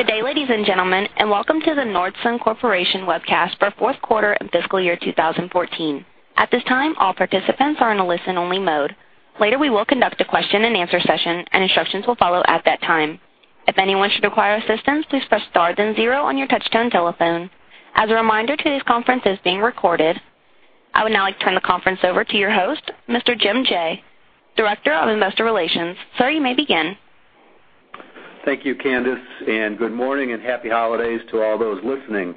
Thanks. Good to go. Good day, ladies and gentlemen, and welcome to the Nordson Corporation webcast for Q4 and fiscal year 2014. At this time, all participants are in a listen-only mode. Later, we will conduct a question-and-answer session, and instructions will follow at that time. If anyone should require assistance, please press star then zero on your touchtone telephone. As a reminder, today's conference is being recorded. I would now like to turn the conference over to your host, Mr. James Jaye, Director of Investor Relations. Sir, you may begin. Thank you, Candice, and good morning and happy holidays to all those listening.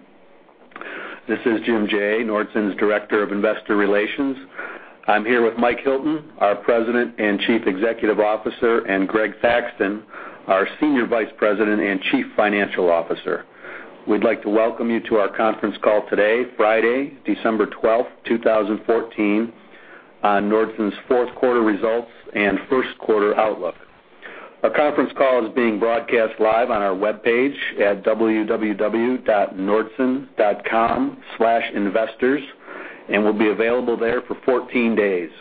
This is James Jaye, Nordson's Director of Investor Relations. I'm here with Michael Hilton, our President and Chief Executive Officer, and Gregory Thaxton, our Senior Vice President and Chief Financial Officer. We'd like to welcome you to our conference call today, Friday, December 12th, 2014, on Nordson's Q4 results and Q1 outlook. Our conference call is being broadcast live on our webpage at www.nordson.com/investors and will be available there for 14 days.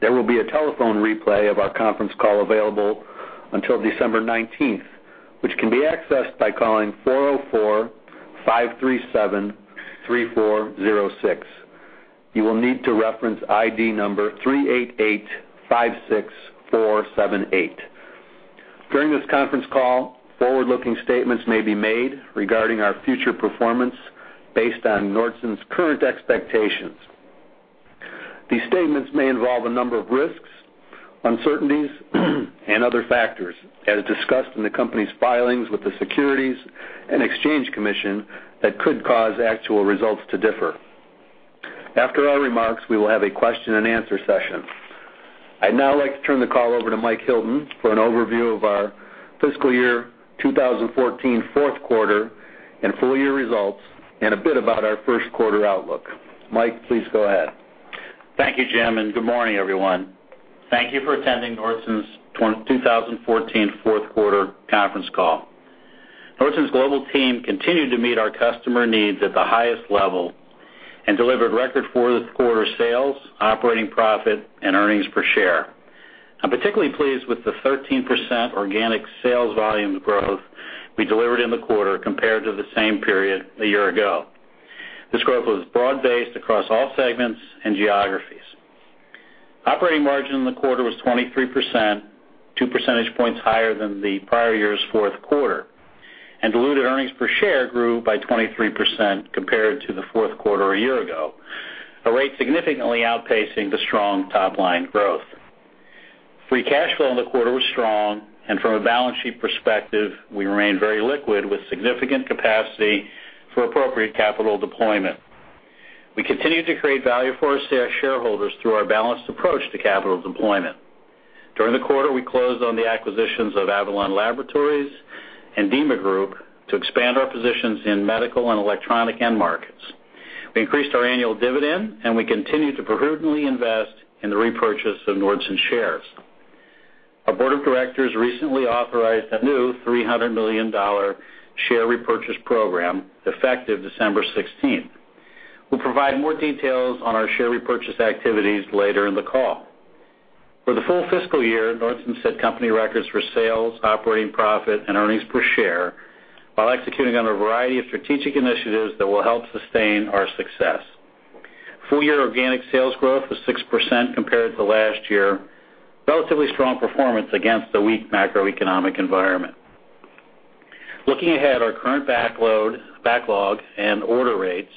There will be a telephone replay of our conference call available until December 19th, which can be accessed by calling 404-573-406. You will need to reference ID number 38856478. During this conference call, forward-looking statements may be made regarding our future performance based on Nordson's current expectations. These statements may involve a number of risks, uncertainties and other factors as discussed in the company's filings with the Securities and Exchange Commission that could cause actual results to differ. After our remarks, we will have a question-and-answer session. I'd now like to turn the call over to Michael Hilton for an overview of our fiscal year 2014 Q4 and full year results and a bit about our Q1 outlook. Mike, please go ahead. Thank you, Jim, and good morning, everyone. Thank you for attending Nordson's 2014 Q4 conference call. Nordson's global team continued to meet our customer needs at the highest level and delivered record Q4 sales, operating profit and earnings per share. I'm particularly pleased with the 13% organic sales volume growth we delivered in the quarter compared to the same period a year ago. This growth was broad-based across all segments and geographies. Operating margin in the quarter was 23%, two percentage points higher than the prior year's Q4. Diluted earnings per share grew by 23% compared to the Q4 a year ago, a rate significantly outpacing the strong top-line growth. Free cash flow in the quarter was strong, and from a balance sheet perspective, we remain very liquid with significant capacity for appropriate capital deployment. We continue to create value for our shareholders through our balanced approach to capital deployment. During the quarter, we closed on the acquisitions of Avalon Laboratories and Dima Group to expand our positions in medical and electronic end markets. We increased our annual dividend, and we continue to prudently invest in the repurchase of Nordson shares. Our board of directors recently authorized a new $300 million share repurchase program effective December 16th. We'll provide more details on our share repurchase activities later in the call. For the full fiscal year, Nordson set company records for sales, operating profit and earnings per share while executing on a variety of strategic initiatives that will help sustain our success. Full-year organic sales growth was 6% compared to last year, relatively strong performance against the weak macroeconomic environment. Looking ahead, our current backlog and order rates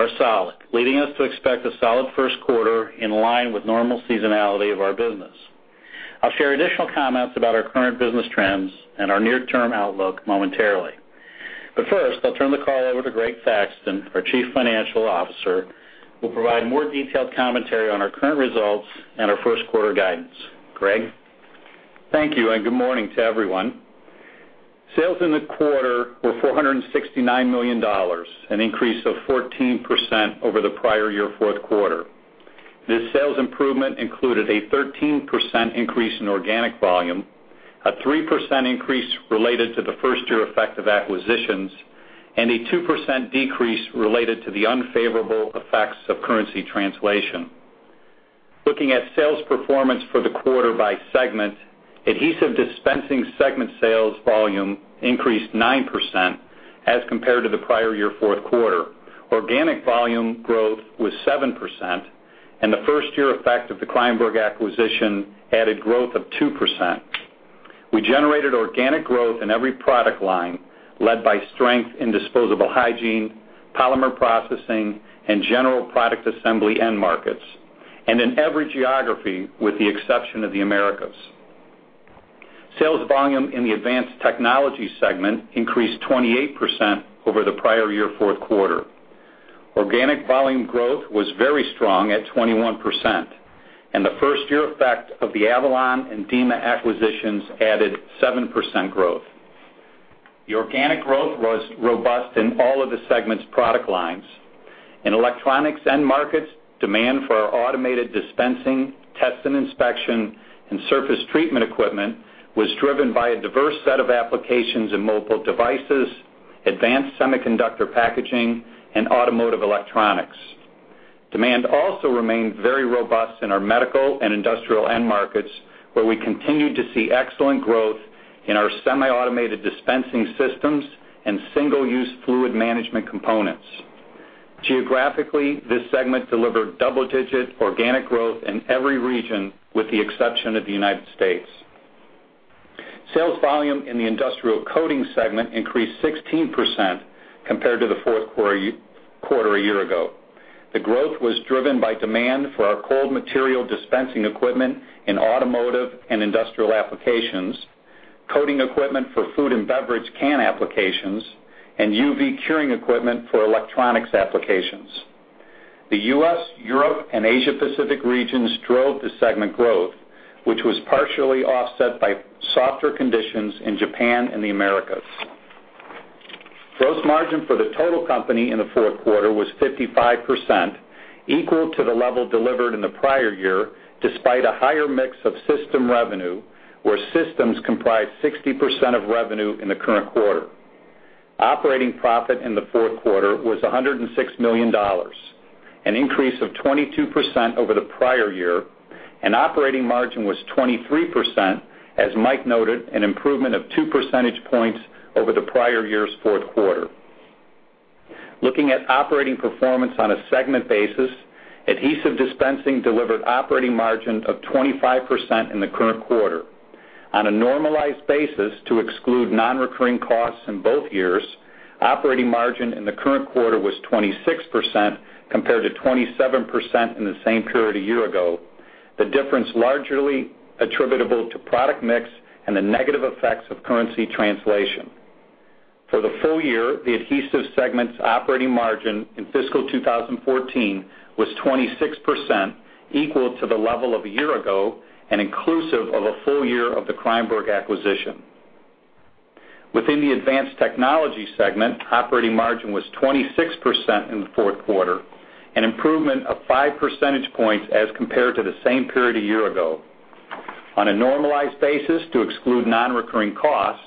are solid, leading us to expect a solid Q1 in line with normal seasonality of our business. I'll share additional comments about our current business trends and our near-term outlook momentarily. First, I'll turn the call over to Greg Thaxton, our Chief Financial Officer, who will provide more detailed commentary on our current results and our Q1 guidance. Greg? Thank you, and good morning to everyone. Sales in the quarter were $469 million, an increase of 14% over the prior-year Q4. This sales improvement included a 13% increase in organic volume, a 3% increase related to the first-year effect of acquisitions, and a 2% decrease related to the unfavorable effects of currency translation. Looking at sales performance for the quarter by segment, Adhesive Dispensing segment sales volume increased 9% as compared to the prior-year Q4. Organic volume growth was 7%, and the first-year effect of the Kreyenborg acquisition added growth of 2%. We generated organic growth in every product line, led by strength in disposable hygiene, polymer processing, and general product assembly end markets, and in every geography, with the exception of the Americas. Sales volume in the Advanced Technology segment increased 28% over the prior year Q4. Organic volume growth was very strong at 21%, and the first year effect of the Avalon and Dima acquisitions added 7% growth. The organic growth was robust in all of the segment's product lines. In electronics end markets, demand for our automated dispensing, test and inspection, and surface treatment equipment was driven by a diverse set of applications in mobile devices, advanced semiconductor packaging, and automotive electronics. Demand also remained very robust in our medical and industrial end markets, where we continued to see excellent growth in our semi-automated dispensing systems and single-use fluid management components. Geographically, this segment delivered double-digit organic growth in every region, with the exception of the United States. Sales volume in the industrial coatings segment increased 16% compared to the Q4 a year ago. The growth was driven by demand for our cold material dispensing equipment in automotive and industrial applications, coating equipment for food and beverage can applications, and UV curing equipment for electronics applications. The US, Europe, and Asia Pacific regions drove the segment growth, which was partially offset by softer conditions in Japan and the Americas. Gross margin for the total company in the Q4 was 55%, equal to the level delivered in the prior year, despite a higher mix of system revenue, where systems comprised 60% of revenue in the current quarter. Operating profit in the Q4 was $106 million, an increase of 22% over the prior year, and operating margin was 23%, as Mike noted, an improvement of two percentage points over the prior year's Q4. Looking at operating performance on a segment basis, Adhesive Dispensing delivered operating margin of 25% in the current quarter. On a normalized basis, to exclude non-recurring costs in both years, operating margin in the current quarter was 26% compared to 27% in the same period a year ago, the difference largely attributable to product mix and the negative effects of currency translation. For the full year, the Adhesive segment's operating margin in fiscal 2014 was 26%, equal to the level of a year ago and inclusive of a full year of the Kreyenborg acquisition. Within the Advanced Technology segment, operating margin was 26% in the Q4, an improvement of five percentage points as compared to the same period a year ago. On a normalized basis, to exclude non-recurring costs,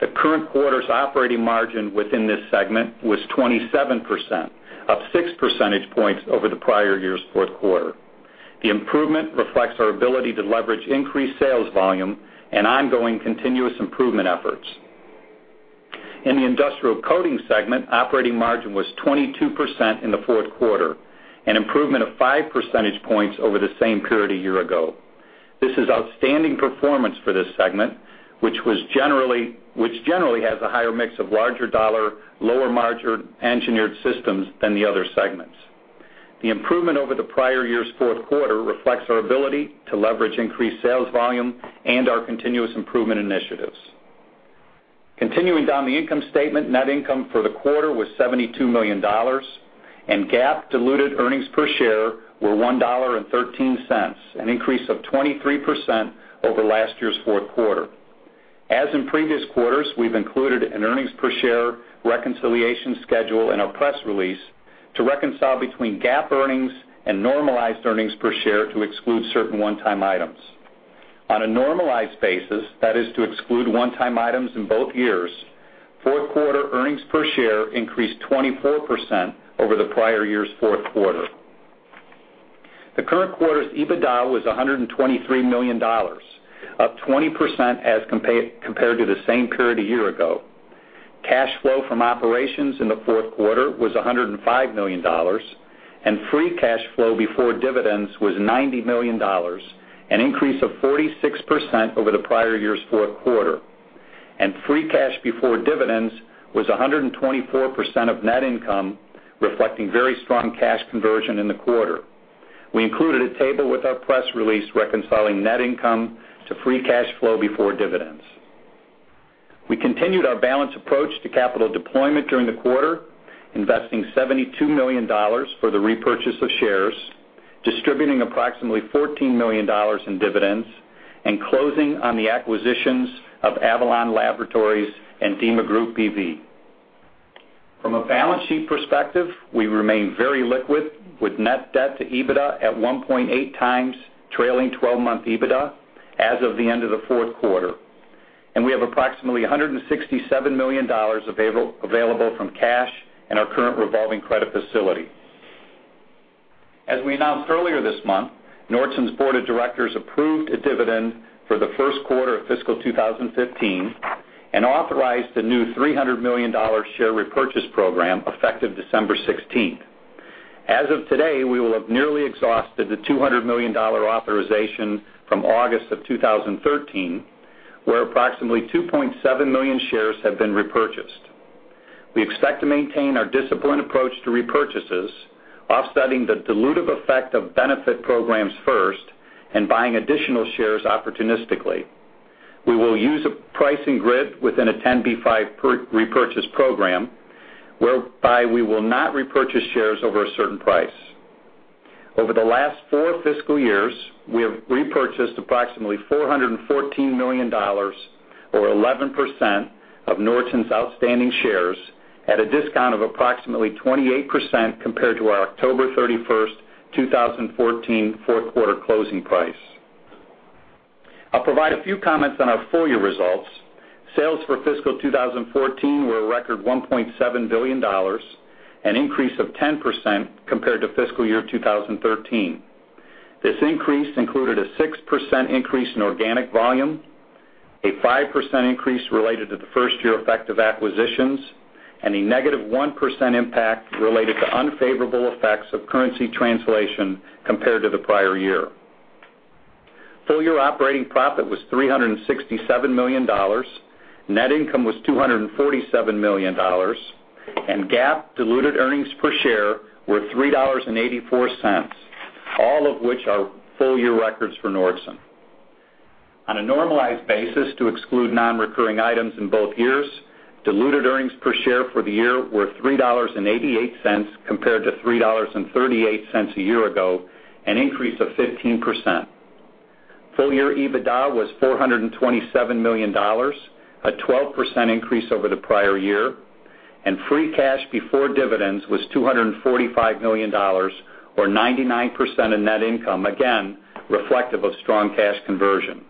the current quarter's operating margin within this segment was 27%, up six percentage points over the prior year's Q4. The improvement reflects our ability to leverage increased sales volume and ongoing continuous improvement efforts. In the Industrial Coating segment, operating margin was 22% in the Q4, an improvement of five percentage points over the same period a year ago. This is outstanding performance for this segment, which generally has a higher mix of larger dollar, lower margin engineered systems than the other segments. The improvement over the prior year's Q4 reflects our ability to leverage increased sales volume and our continuous improvement initiatives. Continuing down the income statement, net income for the quarter was $72 million, and GAAP diluted earnings per share were $1.13, an increase of 23% over last year's Q4. As in previous quarters, we've included an earnings per share reconciliation schedule in our press release to reconcile between GAAP earnings and normalized earnings per share to exclude certain one-time items. On a normalized basis, that is to exclude one-time items in both years, Q4 earnings per share increased 24% over the prior year's Q4. The current quarter's EBITDA was $123 million, up 20% compared to the same period a year ago. Cash flow from operations in the Q4 was $105 million, and free cash flow before dividends was $90 million, an increase of 46% over the prior year's Q4. Free cash before dividends was 124% of net income, reflecting very strong cash conversion in the quarter. We included a table with our press release reconciling net income to free cash flow before dividends. We continued our balanced approach to capital deployment during the quarter, investing $72 million for the repurchase of shares, distributing approximately $14 million in dividends, and closing on the acquisitions of Avalon Laboratories Holding Corp. and Dima Group B.V. From a balance sheet perspective, we remain very liquid, with net debt to EBITDA at 1.8 times trailing twelve-month EBITDA as of the end of the Q4, and we have approximately $167 million available from cash and our current revolving credit facility. As we announced earlier this month, Nordson's Board of Directors approved a dividend for the Q1 of fiscal 2015 and authorized a new $300 million share repurchase program effective December sixteenth. As of today, we will have nearly exhausted the $200 million authorization from August of 2013, where approximately 2.7 million shares have been repurchased. We expect to maintain our disciplined approach to repurchases, offsetting the dilutive effect of benefit programs first and buying additional shares opportunistically. We will use a pricing grid within a 10b5-1 repurchase program, whereby we will not repurchase shares over a certain price. Over the last four fiscal years, we have repurchased approximately $414 million, or 11%, of Nordson's outstanding shares at a discount of approximately 28% compared to our October 31st, 2014, Q4 closing price. I'll provide a few comments on our full year results. Sales for fiscal 2014 were a record $1.7 billion, an increase of 10% compared to fiscal year 2013. This increase included a 6% increase in organic volume, a 5% increase related to the first-year effect of acquisitions, and a negative 1% impact related to unfavorable effects of currency translation compared to the prior year. Full year operating profit was $367 million. Net income was $247 million, and GAAP diluted earnings per share were $3.84, all of which are full year records for Nordson. On a normalized basis to exclude non-recurring items in both years, diluted earnings per share for the year were $3.88 compared to $3.38 a year ago, an increase of 15%. Full year EBITDA was $427 million, a 12% increase over the prior year, and free cash before dividends was $245 million, or 99% of net income, again, reflective of strong cash conversion.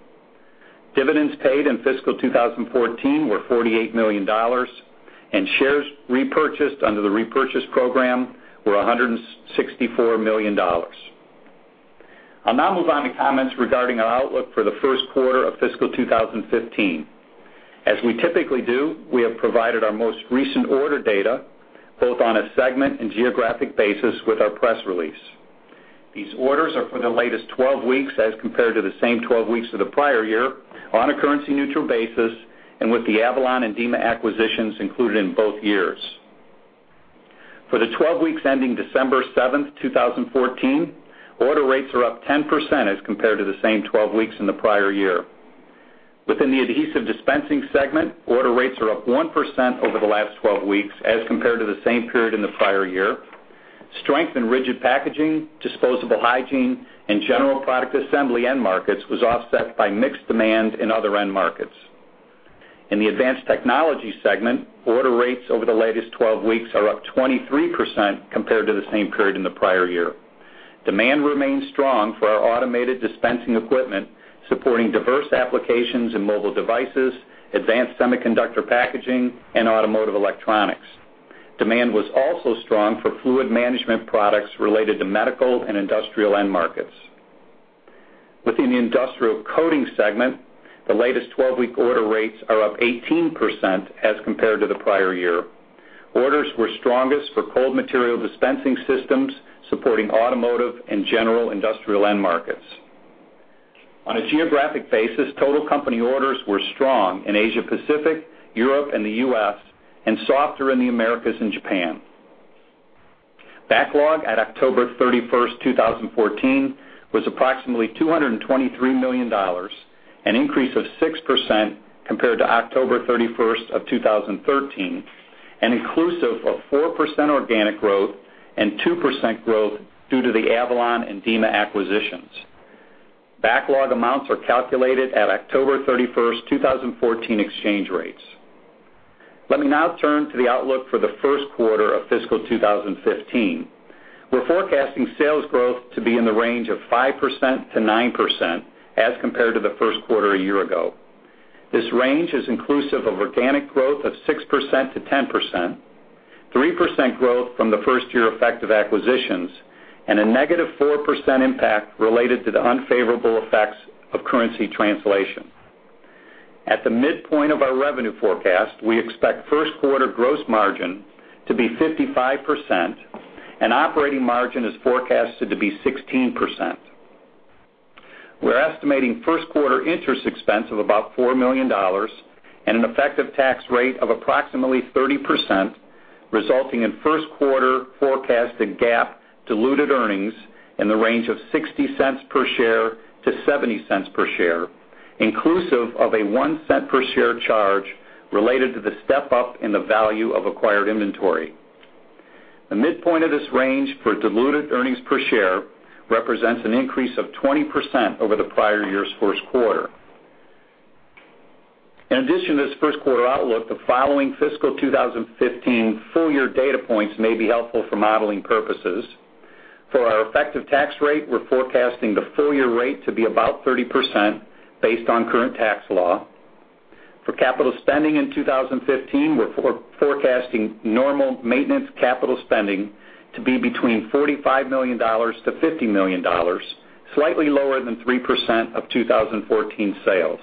Dividends paid in fiscal 2014 were $48 million, and shares repurchased under the repurchase program were $164 million. I'll now move on to comments regarding our outlook for the Q1 of fiscal 2015. As we typically do, we have provided our most recent order data, both on a segment and geographic basis, with our press release. These orders are for the latest 12 weeks as compared to the same 12 weeks of the prior year on a currency-neutral basis and with the Avalon and Dima acquisitions included in both years. For the 12 weeks ending December 7th, 2014, order rates are up 10% as compared to the same 12 weeks in the prior year. Within the Adhesive Dispensing segment, order rates are up 1% over the last 12 weeks as compared to the same period in the prior year. Strength in rigid packaging, disposable hygiene, and general product assembly end markets was offset by mixed demand in other end markets. In the Advanced Technology segment, order rates over the latest 12 weeks are up 23% compared to the same period in the prior year. Demand remains strong for our automated dispensing equipment, supporting diverse applications in mobile devices, advanced semiconductor packaging, and automotive electronics. Demand was also strong for fluid management products related to medical and industrial end markets. Within the Industrial Coating segment, the latest 12-week order rates are up 18% as compared to the prior year. Orders were strongest for cold material dispensing systems supporting automotive and general industrial end markets. On a geographic basis, total company orders were strong in Asia Pacific, Europe and the US and softer in the Americas and Japan. Backlog at October thirty-first, 2014, was approximately $223 million, an increase of 6% compared to October 31st of 2013, and inclusive of 4% organic growth and 2% growth due to the Avalon and Dima acquisitions. Backlog amounts are calculated at October thirty-first, 2014, exchange rates. Let me now turn to the outlook for the Q1 of fiscal 2015. We're forecasting sales growth to be in the range of 5%-9% as compared to the Q1 a year ago. This range is inclusive of organic growth of 6%-10%, 3% growth from the first-year effect of acquisitions, and a negative 4% impact related to the unfavorable effects of currency translation. At the midpoint of our revenue forecast, we expect Q1 gross margin to be 55%, and operating margin is forecasted to be 16%. We're estimating Q1 interest expense of about $4 million and an effective tax rate of approximately 30%, resulting in Q1 forecasted GAAP diluted earnings in the range of $0.60-$0.70 per share, inclusive of a $0.01 per share charge related to the step-up in the value of acquired inventory. The midpoint of this range for diluted earnings per share represents an increase of 20% over the prior year's Q1. In addition to this Q1 outlook, the following fiscal 2015 full year data points may be helpful for modeling purposes. For our effective tax rate, we're forecasting the full year rate to be about 30% based on current tax law. For capital spending in 2015, we're forecasting normal maintenance capital spending to be between $45 million and $50 million, slightly lower than 3% of 2014 sales.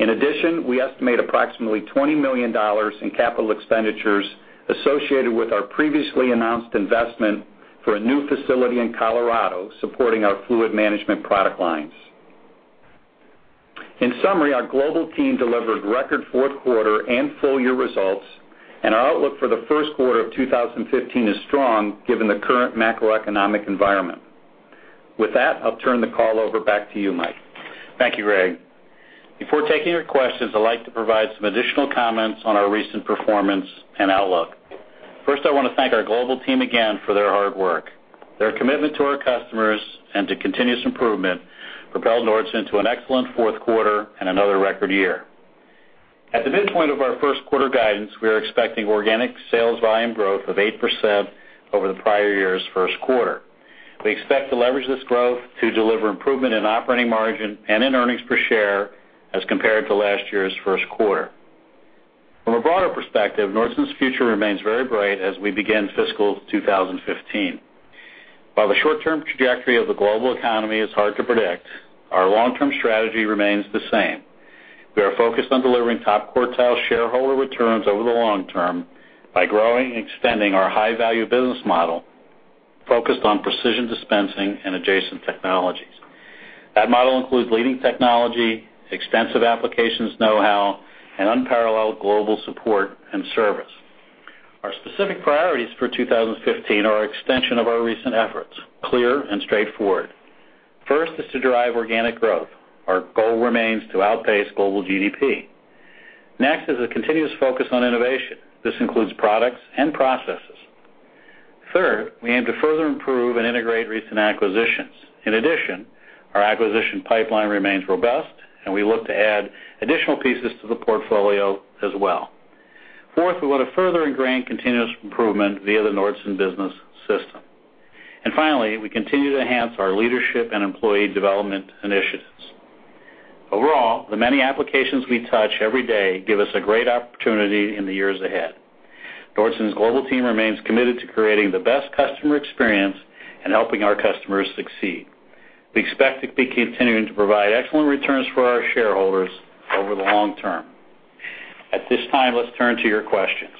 In addition, we estimate approximately $20 million in capital expenditures associated with our previously announced investment for a new facility in Colorado supporting our fluid management product lines. In summary, our global team delivered record Q4 and full year results, and our outlook for the Q1 of 2015 is strong given the current macroeconomic environment. With that, I'll turn the call back over to you, Mike. Thank you, Greg. Before taking your questions, I'd like to provide some additional comments on our recent performance and outlook. First, I want to thank our global team again for their hard work. Their commitment to our customers and to continuous improvement propelled Nordson to an excellent Q4 and another record year. At the midpoint of our Q1 guidance, we are expecting organic sales volume growth of 8% over the prior year's Q1. We expect to leverage this growth to deliver improvement in operating margin and in earnings per share as compared to last year's Q1. From a broader perspective, Nordson's future remains very bright as we begin fiscal 2015. While the short-term trajectory of the global economy is hard to predict, our long-term strategy remains the same. We are focused on delivering top-quartile shareholder returns over the long term by growing and extending our high-value business model focused on precision dispensing and adjacent technologies. That model includes leading technology, extensive applications know-how, and unparalleled global support and service. Our specific priorities for 2015 are extension of our recent efforts, clear and straightforward. First is to drive organic growth. Our goal remains to outpace global GDP. Next is a continuous focus on innovation. This includes products and processes. Third, we aim to further improve and integrate recent acquisitions. In addition, our acquisition pipeline remains robust, and we look to add additional pieces to the portfolio as well. Fourth, we want to further ingrain continuous improvement via the Nordson Business System. Finally, we continue to enhance our leadership and employee development initiatives. Overall, the many applications we touch every day give us a great opportunity in the years ahead. Nordson's global team remains committed to creating the best customer experience and helping our customers succeed. We expect to be continuing to provide excellent returns for our shareholders over the long term. At this time, let's turn to your questions.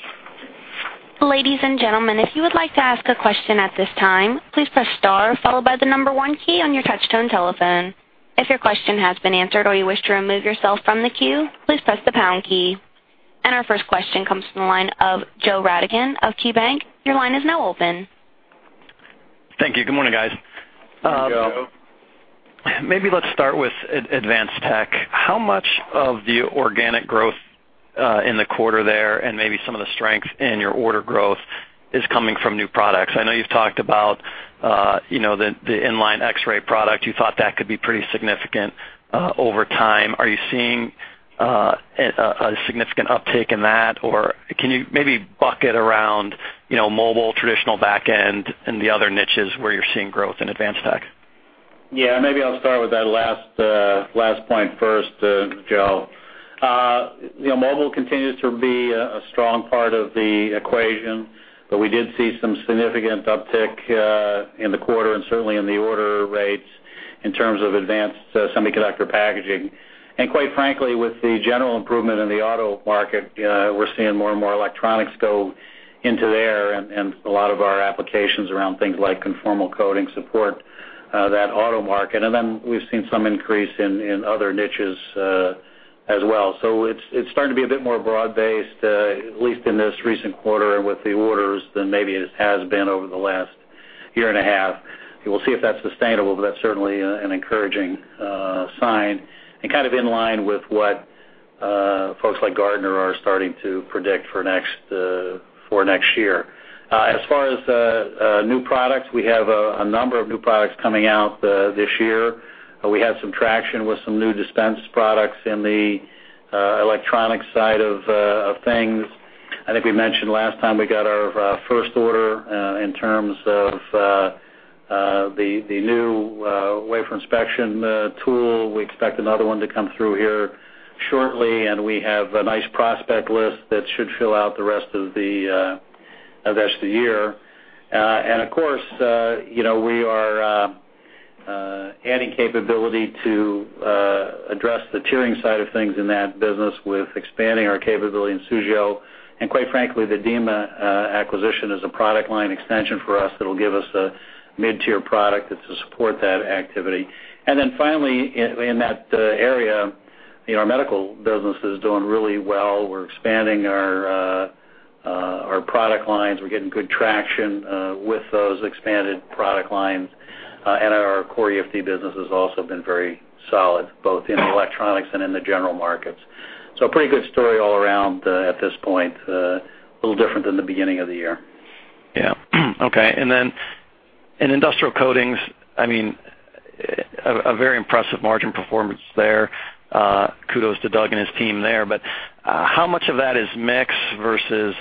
Ladies and gentlemen, if you would like to ask a question at this time, please press star followed by the number one key on your touchtone telephone. If your question has been answered or you wish to remove yourself from the queue, please press the pound key. Our first question comes from the line of Joe Radigan of KeyBanc Capital Markets. Your line is now open. Thank you. Good morning, guys. Good morning, Joe. Maybe let's start with advanced tech. How much of the organic growth in the quarter there and maybe some of the strength in your order growth is coming from new products? I know you've talked about, you know, the inline X-ray product. You thought that could be pretty significant over time. Are you seeing a significant uptick in that? Or can you maybe bucket around, you know, mobile, traditional back end and the other niches where you're seeing growth in advanced tech? Yeah, maybe I'll start with that last point first, Joe. You know, mobile continues to be a strong part of the equation, but we did see some significant uptick in the quarter and certainly in the order rates in terms of advanced semiconductor packaging. Quite frankly, with the general improvement in the auto market, we're seeing more and more electronics go into there and a lot of our applications around things like conformal coating support that auto market. Then we've seen some increase in other niches as well. It's starting to be a bit more broad-based, at least in this recent quarter with the orders than maybe it has been over the last year and a half. We will see if that's sustainable, but that's certainly an encouraging sign and kind of in line with what folks like Gartner are starting to predict for next year. As far as new products, we have a number of new products coming out this year. We have some traction with some new dispense products in the electronics side of things. I think we mentioned last time we got our first order in terms of the new wafer inspection tool. We expect another one to come through here shortly, and we have a nice prospect list that should fill out the rest of the year. Of course, you know, we are adding capability to address the tiering side of things in that business with expanding our capability in Suzhou. Quite frankly, the Dima acquisition is a product line extension for us that'll give us a mid-tier product that's to support that activity. Then finally, in that area, you know, our medical business is doing really well. We're expanding our product lines. We're getting good traction with those expanded product lines. Our core EFD business has also been very solid, both in electronics and in the general markets. Pretty good story all around at this point, a little different than the beginning of the year. Yeah. Okay. Then in industrial coatings, I mean, a very impressive margin performance there. Kudos to Doug and his team there. How much of that is mix versus,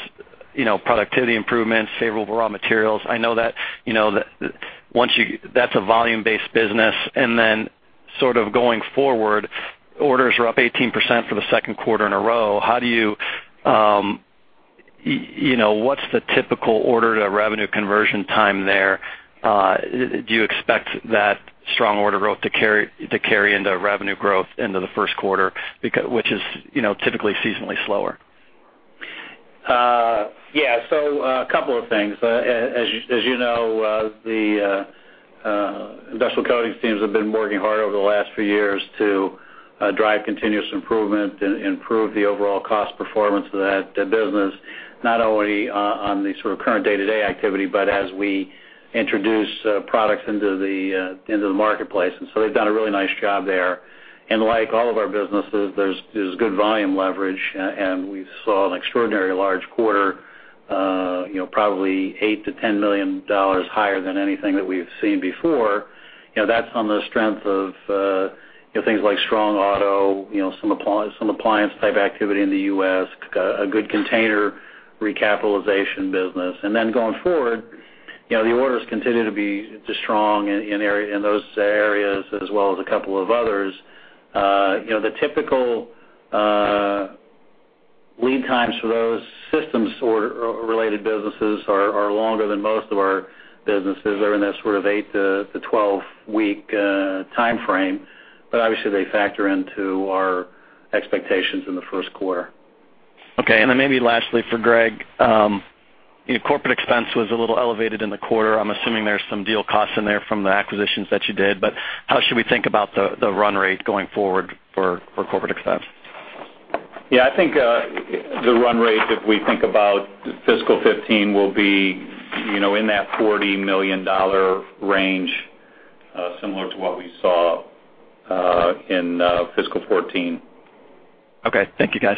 you know, productivity improvements, favorable raw materials? I know that, you know, that's a volume-based business, and then sort of going forward, orders are up 18% for the Q2 in a row. How do you know what's the typical order to revenue conversion time there? Do you expect that strong order growth to carry into revenue growth into the Q1 because, which is, you know, typically seasonally slower? Yeah. A couple of things. As you know, the industrial coatings teams have been working hard over the last few years to drive continuous improvement and improve the overall cost performance of that business, not only on the sort of current day-to-day activity, but as we introduce products into the marketplace. They've done a really nice job there. Like all of our businesses, there's good volume leverage. We saw an extraordinarily large quarter, you know, probably $8-$10 million higher than anything that we've seen before. You know, that's on the strength of, you know, things like strong auto, you know, some appliance-type activity in the U.S., a good container recapitalization business. Going forward, you know, the orders continue to be just strong in those areas as well as a couple of others. You know, the typical lead times for those systems order-related businesses are longer than most of our businesses. They're in that sort of 8-12-week timeframe, but obviously they factor into our expectations in the Q1. Okay. Then maybe lastly for Greg, your corporate expense was a little elevated in the quarter. I'm assuming there's some deal costs in there from the acquisitions that you did, but how should we think about the run rate going forward for corporate expense? Yeah, I think the run rate, if we think about fiscal 2015, will be, you know, in that $40 million range, similar to what we saw in fiscal 2014. Okay. Thank you, guys.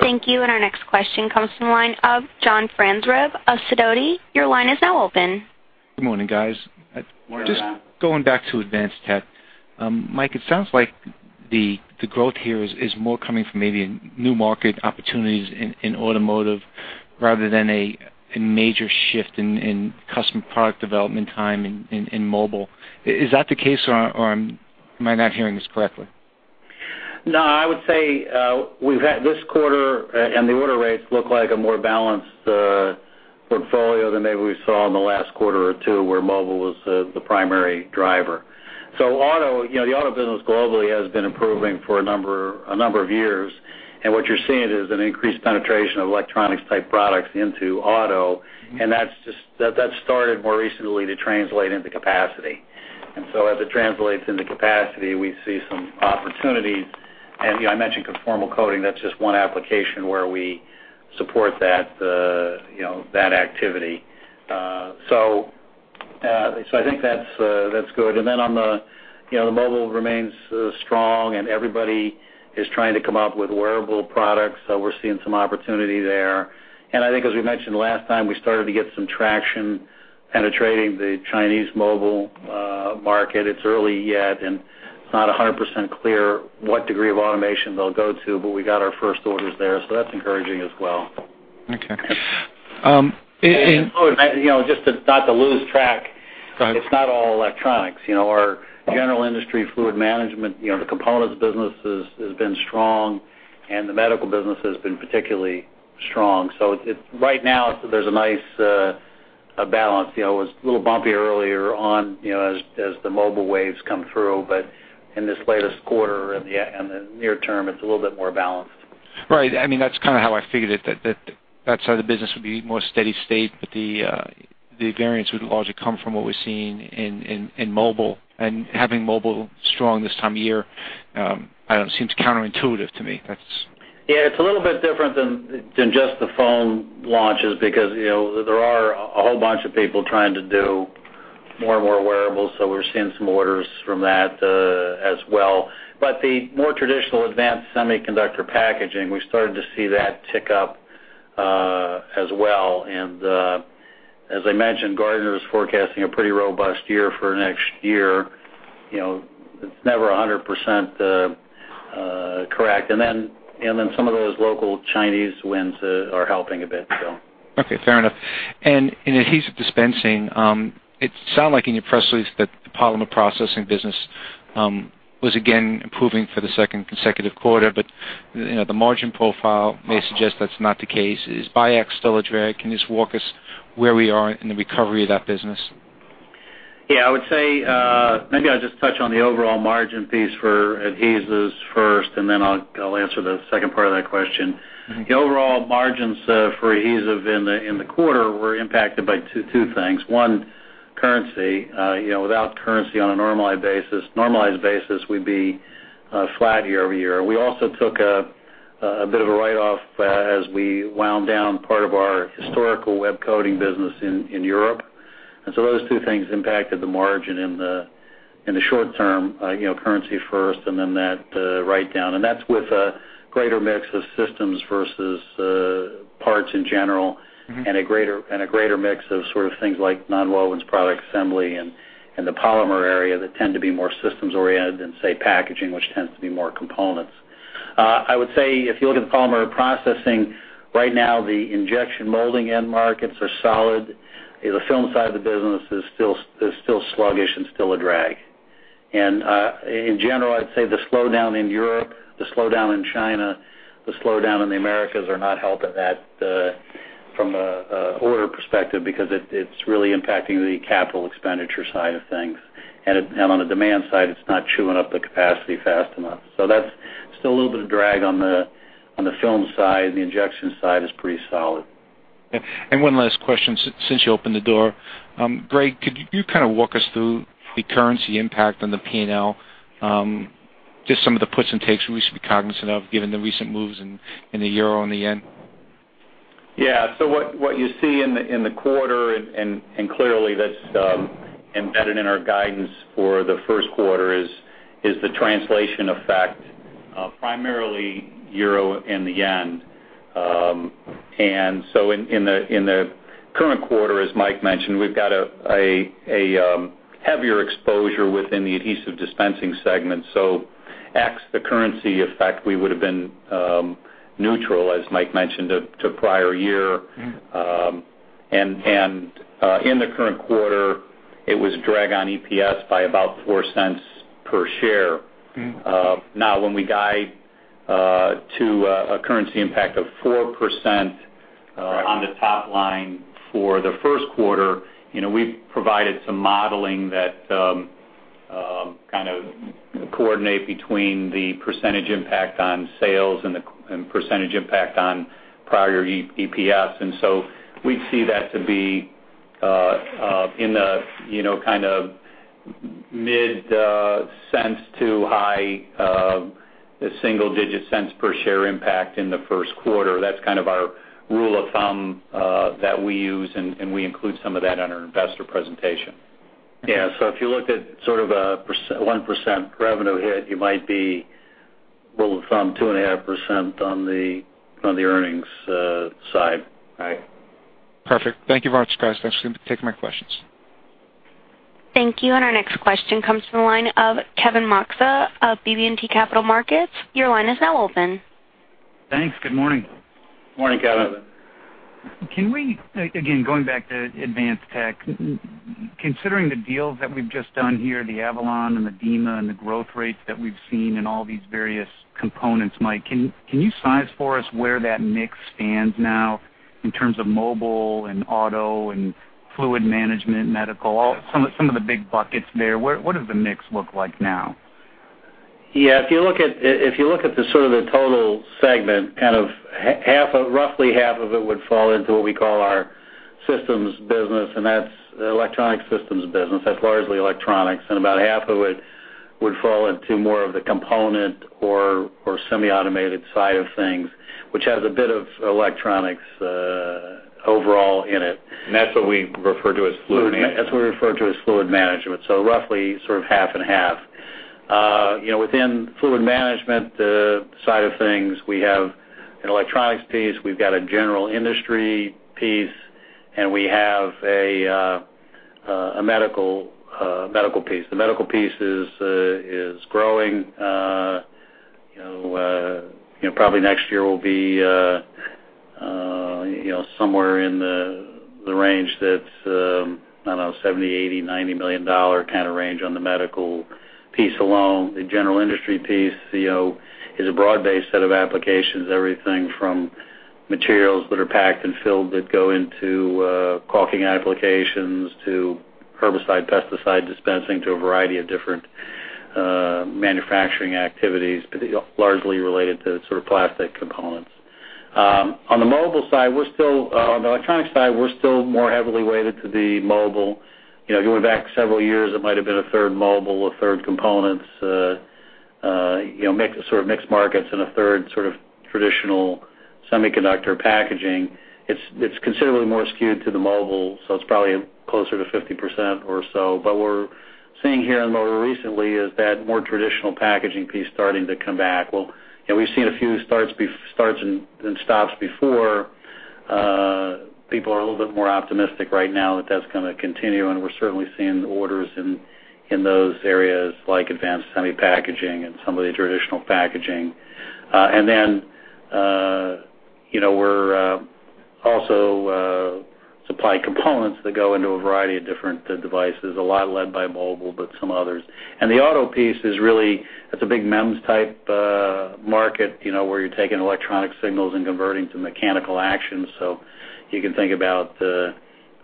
Thank you. Our next question comes from the line of John Franzreb of Sidoti. Your line is now open. Good morning, guys. Morning, John. Just going back to Advanced Tech. Mike, it sounds like the growth here is more coming from maybe new market opportunities in automotive rather than a major shift in custom product development time in mobile. Is that the case, or am I not hearing this correctly? No, I would say we've had this quarter, and the order rates look like a more balanced portfolio than maybe we saw in the last quarter or two, where mobile was the primary driver. Auto, you know, the auto business globally has been improving for a number of years. What you're seeing is an increased penetration of electronics-type products into auto, and that started more recently to translate into capacity. As it translates into capacity, we see some opportunities. You know, I mentioned conformal coating, that's just one application where we support that, you know, that activity. I think that's good. Then, you know, the mobile remains strong, and everybody is trying to come up with wearable products. We're seeing some opportunity there. I think as we mentioned last time, we started to get some traction penetrating the Chinese mobile market. It's early yet, and it's not 100% clear what degree of automation they'll go to, but we got our first orders there, so that's encouraging as well. Okay. You know, not to lose track. Right. It's not all electronics. You know, our general industry, fluid management, you know, the components business has been strong, and the medical business has been particularly strong. It's right now, there's a nice balance. You know, it was a little bumpy earlier on, you know, as the mobile waves come through. In this latest quarter and the near term, it's a little bit more balanced. Right. I mean, that's kind of how I figured it, that side of the business would be more steady state, but the variance would largely come from what we're seeing in mobile. Having mobile strong this time of year, I don't know, seems counterintuitive to me. That's. Yeah, it's a little bit different than just the phone launches because, you know, there are a whole bunch of people trying to do more and more wearables, so we're seeing some orders from that, as well. The more traditional advanced semiconductor packaging, we started to see that tick up, as well. As I mentioned, Gartner is forecasting a pretty robust year for next year. You know, it's never 100%, correct. Then some of those local Chinese wins are helping a bit, so. Okay, fair enough. In adhesive dispensing, it sounded like in your press release that the polymer processing business was again improving for the second consecutive quarter. You know, the margin profile may suggest that's not the case. Is Biax still a drag? Can you just walk us where we are in the recovery of that business? Yeah, I would say, maybe I'll just touch on the overall margin piece for adhesives first, and then I'll answer the second part of that question. Mm-hmm. The overall margins for adhesive in the quarter were impacted by two things. One, currency. You know, without currency on a normalized basis, we'd be flat year-over-year. We also took a bit of a write-off as we wound down part of our historical web coating business in Europe. Those two things impacted the margin in the short term, you know, currency first and then that write-down. That's with a greater mix of systems versus parts in general. Mm-hmm a greater mix of sort of things like nonwovens, product assembly, and the polymer area that tend to be more systems-oriented than, say, packaging, which tends to be more components. I would say if you look at the polymer processing, right now, the injection molding end markets are solid. The film side of the business is still sluggish and still a drag. In general, I'd say the slowdown in Europe, the slowdown in China, the slowdown in the Americas are not helping that, from an order perspective because it's really impacting the capital expenditure side of things. On the demand side, it's not chewing up the capacity fast enough. That's still a little bit of drag on the film side. The injection side is pretty solid. Okay. One last question, since you opened the door. Gregory, could you kind of walk us through the currency impact on the P&L? Just some of the puts and takes we should be cognizant of given the recent moves in the euro and the yen. Yeah. What you see in the quarter, and clearly that's embedded in our guidance for the Q1... ...is the translation effect, primarily euro and the yen. In the current quarter, as Mike mentioned, we've got a heavier exposure within the adhesive dispensing segment. Ex the currency effect, we would have been neutral, as Mike mentioned, to prior year. In the current quarter, it was drag on EPS by about $0.04 per share. Now when we guide to a currency impact of 4% on the top line for the Q1, you know, we've provided some modeling that kind of coordinate between the percentage impact on sales and the percentage impact on prior year EPS. We'd see that to be in the, you know, kind of mid- to high-single-digit cents per share impact in the Q1. That's kind of our rule of thumb that we use, and we include some of that on our investor presentation. If you looked at sort of a 1% revenue hit, you might by rule of thumb 2.5% on the earnings side. Right. Perfect. Thank you very much, guys. Thanks. I'm going to take my questions. Thank you. Our next question comes from the line of Kevin Moxey of BB&T Capital Markets. Your line is now open. Thanks. Good morning. Morning, Kevin. Can we again, going back to Advanced Tech, considering the deals that we've just done here, the Avalon and the Dima and the growth rates that we've seen in all these various components, Mike, can you size for us where that mix stands now in terms of mobile and auto and fluid management, medical, some of the big buckets there? Where, what does the mix look like now? Yeah. If you look at sort of the total segment, kind of half, roughly half of it would fall into what we call our systems business, and that's the electronic systems business. That's largely electronics, and about half of it would fall into more of the component or semi-automated side of things, which has a bit of electronics overall in it. That's what we refer to as fluid management. That's what we refer to as fluid management. Roughly sort of half and half. You know, within fluid management, side of things, we have an electronics piece, we've got a general industry piece, and we have a medical piece. The medical piece is growing, you know, probably next year will be, you know, somewhere in the range that's, I don't know, $70-$90 million kind of range on the medical piece alone. The general industry piece, you know, is a broad-based set of applications, everything from materials that are packed and filled that go into caulking applications to herbicide, pesticide dispensing to a variety of different manufacturing activities, but largely related to sort of plastic components. On the mobile side, we're still on the electronics side, we're still more heavily weighted to the mobile. You know, going back several years, it might've been 1/3 mobile, 1/3 components, you know, sort of mixed markets and 1/3 sort of traditional semiconductor packaging. It's considerably more skewed to the mobile, so it's probably closer to 50% or so. What we're seeing more recently is that more traditional packaging piece starting to come back. Well, you know, we've seen a few starts and stops before. People are a little bit more optimistic right now that that's going to continue, and we're certainly seeing orders in those areas like advanced semi-packaging and some of the traditional packaging. You know, we're also supplying components that go into a variety of different devices, a lot led by mobile, but some others. The auto piece is really, it's a big MEMS type market, you know, where you're taking electronic signals and converting to mechanical action. You can think about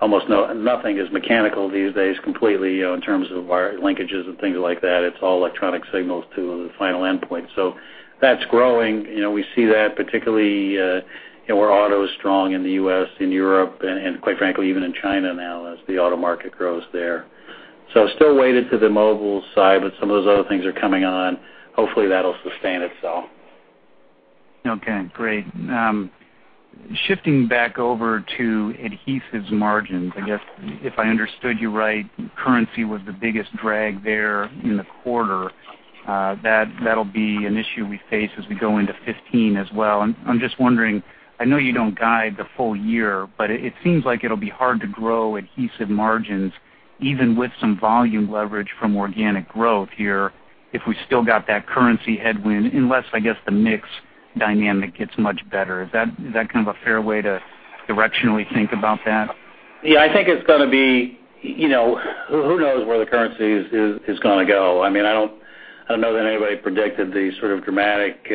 almost nothing is mechanical these days completely, you know, in terms of wire linkages and things like that. It's all electronic signals to the final endpoint. That's growing. You know, we see that particularly, you know, where auto is strong in the U.S., in Europe, and quite frankly, even in China now as the auto market grows there. Still weighted to the mobile side, but some of those other things are coming on. Hopefully, that'll sustain itself. Okay, great. Shifting back over to adhesives margins, I guess if I understood you right, currency was the biggest drag there in the quarter. That'll be an issue we face as we go into 2015 as well. I'm just wondering, I know you don't guide the full year, but it seems like it'll be hard to grow adhesive margins even with some volume leverage from organic growth here if we still got that currency headwind, unless, I guess, the mix dynamic gets much better. Is that kind of a fair way to directionally think about that? Yeah. I think it's going to be, you know, who knows where the currency is going to go? I mean, I don't know that anybody predicted the sort of dramatic,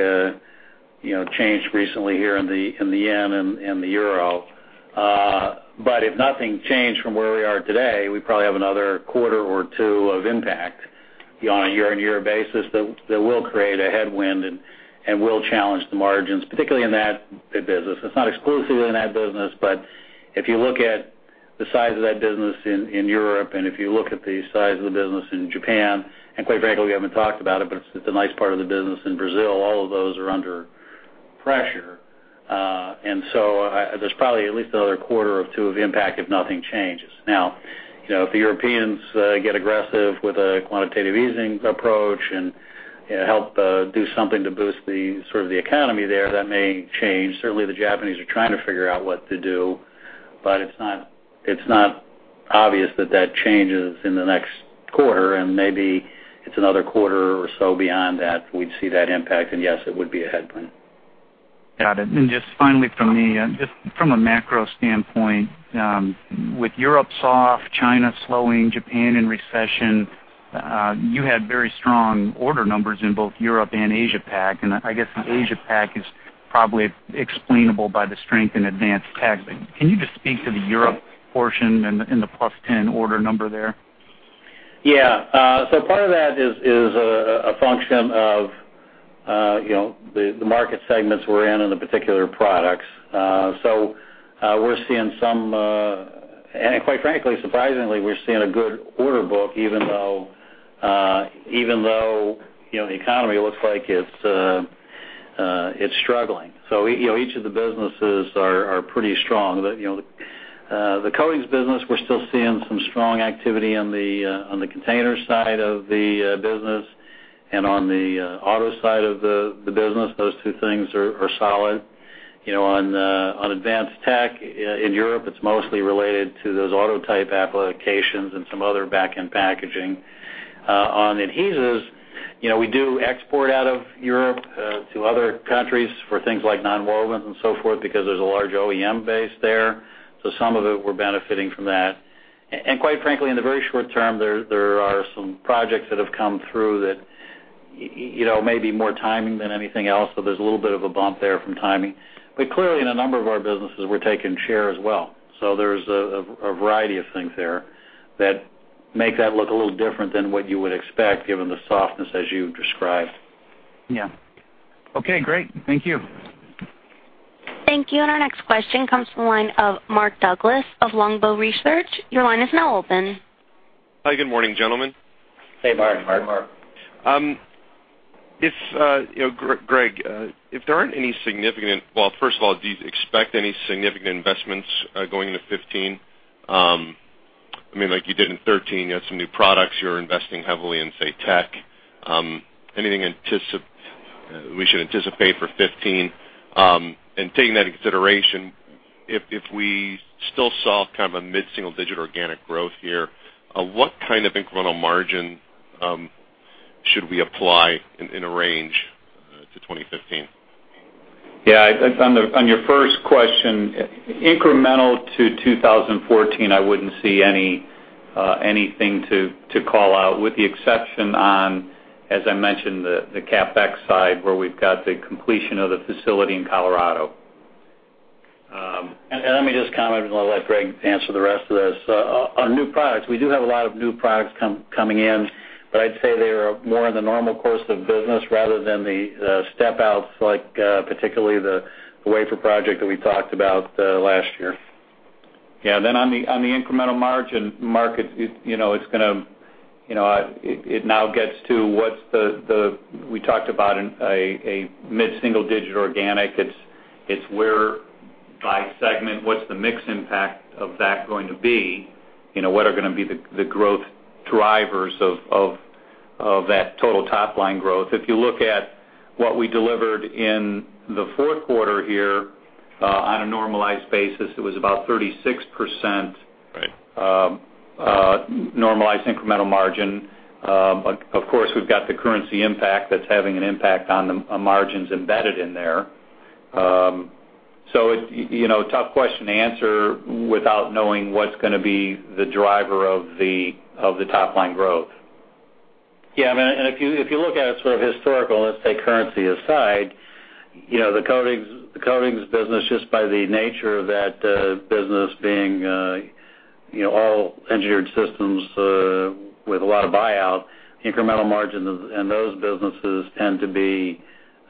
you know, change recently here in the yen and the euro. If nothing changed from where we are today, we probably have another quarter or two of impact on a year-on-year basis that will create a headwind and will challenge the margins, particularly in that business. It's not exclusively in that business, but if you look at the size of that business in Europe, and if you look at the size of the business in Japan, and quite frankly, we haven't talked about it, but it's a nice part of the business in Brazil. All of those are under pressure. I, there's probably at least another quarter or two of impact if nothing changes. Now, you know, if the Europeans get aggressive with a quantitative easing approach and, you know, help do something to boost the sort of the economy there, that may change. Certainly, the Japanese are trying to figure out what to do, but it's not obvious that changes in the next quarter, and maybe it's another quarter or so beyond that, we'd see that impact. Yes, it would be a headwind. Got it. Just finally from me, just from a macro standpoint, with Europe soft, China slowing, Japan in recession, you had very strong order numbers in both Europe and Asia Pac, and I guess the Asia Pac is probably explainable by the strength in advanced tech. Can you just speak to the Europe portion in the plus 10 order number there? Yeah. Part of that is a function of you know the market segments we're in and the particular products. Quite frankly, surprisingly, we're seeing a good order book, even though you know the economy looks like it's struggling. You know, each of the businesses are pretty strong. You know the coatings business, we're still seeing some strong activity on the container side of the business and on the auto side of the business. Those two things are solid. You know, on advanced tech in Europe, it's mostly related to those auto type applications and some other back-end packaging. On adhesives, you know, we do export out of Europe to other countries for things like nonwovens and so forth because there's a large OEM base there. Some of it we're benefiting from that. Quite frankly, in the very short term, there are some projects that have come through that, you know, may be more timing than anything else. There's a little bit of a bump there from timing. Clearly, in a number of our businesses, we're taking share as well. There's a variety of things there that make that look a little different than what you would expect, given the softness as you described. Yeah. Okay, great. Thank you. Thank you. Our next question comes from the line of Mark Douglas of Longbow Research. Your line is now open. Hi, good morning, gentlemen. Hey, Mark. If you know, Greg, well, first of all, do you expect any significant investments going into 2015? I mean, like you did in 2013, you had some new products, you're investing heavily in, say, tech. Anything we should anticipate for 2015? Taking that into consideration, if we still saw kind of a mid-single-digit% organic growth here, what kind of incremental margin should we apply in a range to 2015? Yeah. On your first question, incremental to 2014, I wouldn't see anything to call out, with the exception, as I mentioned, the CapEx side, where we've got the completion of the facility in Colorado. Let me just comment, and I'll let Greg answer the rest of this. On new products, we do have a lot of new products coming in, but I'd say they are more in the normal course of business rather than the step outs, like particularly the wafer project that we talked about last year. Yeah. On the incremental margin, Mark, you know, it's going to, you know, it now gets to what we talked about, a mid-single digit organic. It's where by segment, what's the mix impact of that going to be? You know, what are going to be the growth drivers of that total top line growth? If you look at what we delivered in the Q4 here, on a normalized basis, it was about 36%. Right. Normalized incremental margin. Of course, we've got the currency impact that's having an impact on the margins embedded in there. It, you know, tough question to answer without knowing what's going to be the driver of the top line growth. Yeah. I mean, if you look at it sort of historically, let's say currency aside, you know, the coatings business, just by the nature of that business being, you know, all engineered systems with a lot of buyout, incremental margin in those businesses tend to be,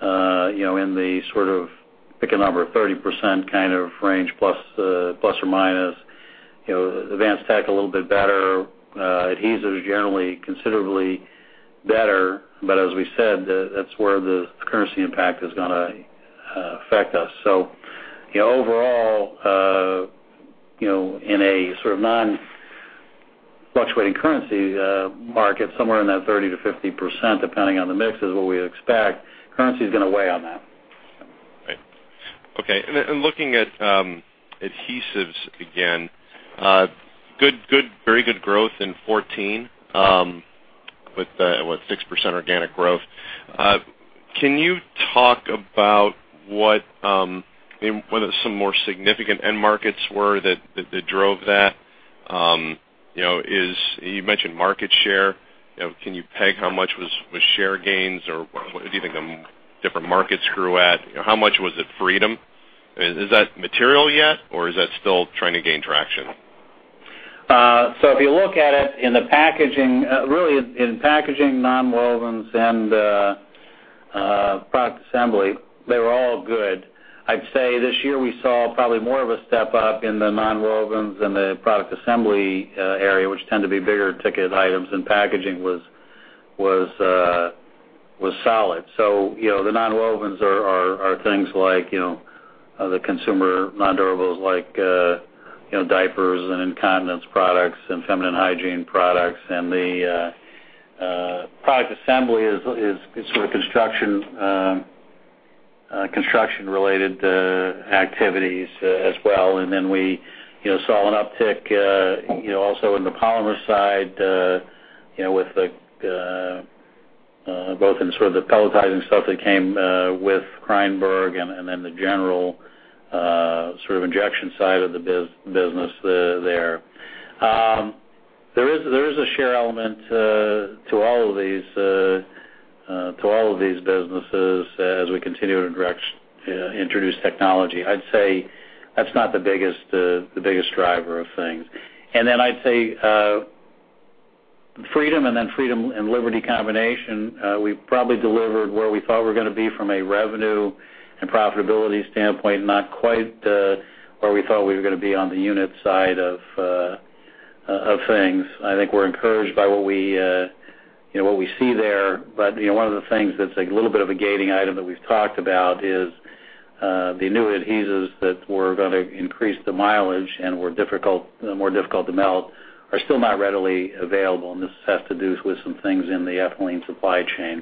you know, in the sort of, pick a number, 30% kind of range, plus or minus. You know, advanced tech a little bit better. Adhesives generally considerably better. But as we said, that's where the currency impact is going to affect us. You know, overall, you know, in a sort of non-fluctuating currency market, somewhere in that 30%-50%, depending on the mix, is what we expect. Currency is going to weigh on that. Looking at adhesives again, good, very good growth in 2014 with 6% organic growth. Can you talk about what some more significant end markets were that drove that? You know, you mentioned market share. You know, can you peg how much was share gains, or what do you think the different markets grew at? How much was it Freedom? Is that material yet, or is that still trying to gain traction? If you look at it in the packaging, really in packaging, nonwovens and product assembly, they were all good. I'd say this year we saw probably more of a step up in the nonwovens and the product assembly area, which tend to be bigger ticket items, and packaging was solid. You know, the nonwovens are things like, you know, the consumer nondurables like, you know, diapers and incontinence products and feminine hygiene products. The product assembly is sort of construction-related activities as well. We, you know, saw an uptick, you know, also in the polymer side, you know, with the, both in sort of the pelletizing stuff that came with Kreyenborg and then the general, sort of injection side of the business there. There is a share element to all of these businesses as we continue to introduce technology. I'd say that's not the biggest, the biggest driver of things. I'd say, Freedom and Liberty combination, we probably delivered where we thought we were going to be from a revenue and profitability standpoint, not quite, where we thought we were going to be on the unit side of things. I think we're encouraged by what we, you know, what we see there. You know, one of the things that's a little bit of a gating item that we've talked about is the new adhesives that were going to increase the mileage and were difficult, more difficult to melt, are still not readily available. This has to do with some things in the ethylene supply chain.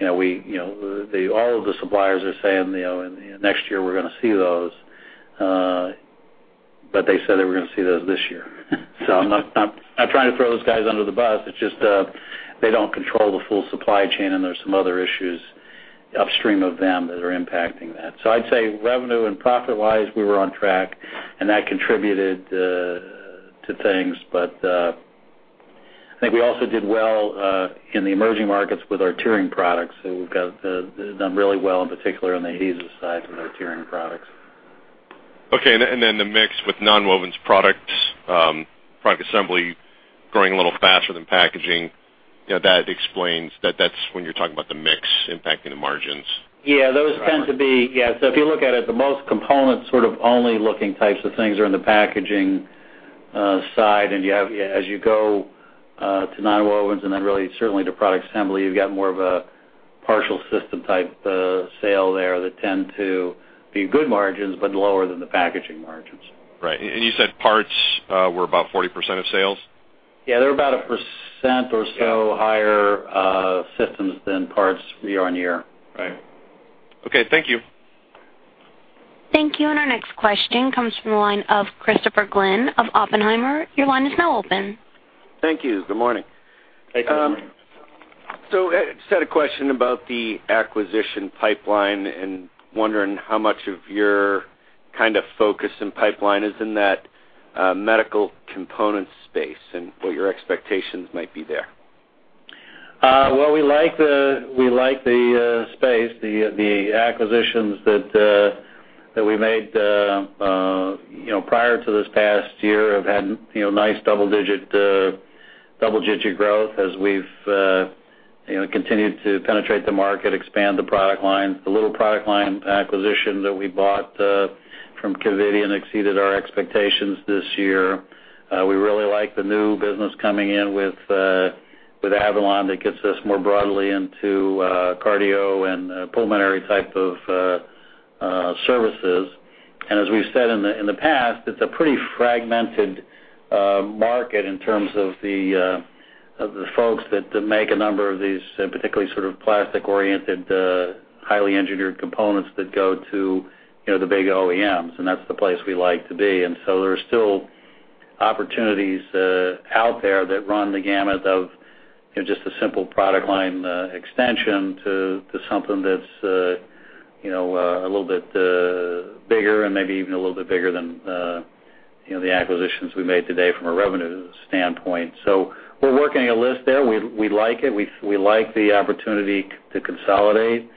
You know, all of the suppliers are saying, you know, next year we're going to see those. They said they were going to see those this year. I'm not trying to throw those guys under the bus. It's just, they don't control the full supply chain, and there's some other issues upstream of them that are impacting that. I'd say revenue and profit-wise, we were on track, and that contributed to things. I think we also did well in the emerging markets with our tiering products. We've done really well, in particular in the adhesive side of our tiering products. Okay. The mix with nonwovens products, product assembly growing a little faster than packaging, you know, that explains that that's when you're talking about the mix impacting the margins. Yeah, those tend to be. Yeah. If you look at it, the most component sort of standalone types of things are in the packaging side. You have, as you go to nonwovens, and then really certainly to product assembly, you've got more of a partial system type sale there that tend to be good margins, but lower than the packaging margins. Right. You said parts were about 40% of sales? Yeah, they're about 1% or so higher, systems than parts year-on-year. Right. Okay. Thank you. Thank you. Our next question comes from the line of Christopher Glynn of Oppenheimer. Your line is now open. Thank you. Good morning. Hey. Good morning. Just had a question about the acquisition pipeline and wondering how much of your kind of focus and pipeline is in that medical component space and what your expectations might be there. Well, we like the space. The acquisitions that we made, you know, prior to this past year have had, you know, nice double-digit growth as we've, you know, continued to penetrate the market, expand the product lines. The little product line acquisition that we bought from Covidien exceeded our expectations this year. We really like the new business coming in with Avalon. That gets us more broadly into cardio and pulmonary type of services. As we've said in the past, it's a pretty fragmented market in terms of the folks that make a number of these particularly sort of plastic-oriented, highly engineered components that go to, you know, the big OEMs, and that's the place we like to be. There are still opportunities out there that run the gamut of, you know, just a simple product line extension to something that's, you know, a little bit bigger and maybe even a little bit bigger than, you know, the acquisitions we made today from a revenue standpoint. We're working a list there. We like it. We like the opportunity to consolidate.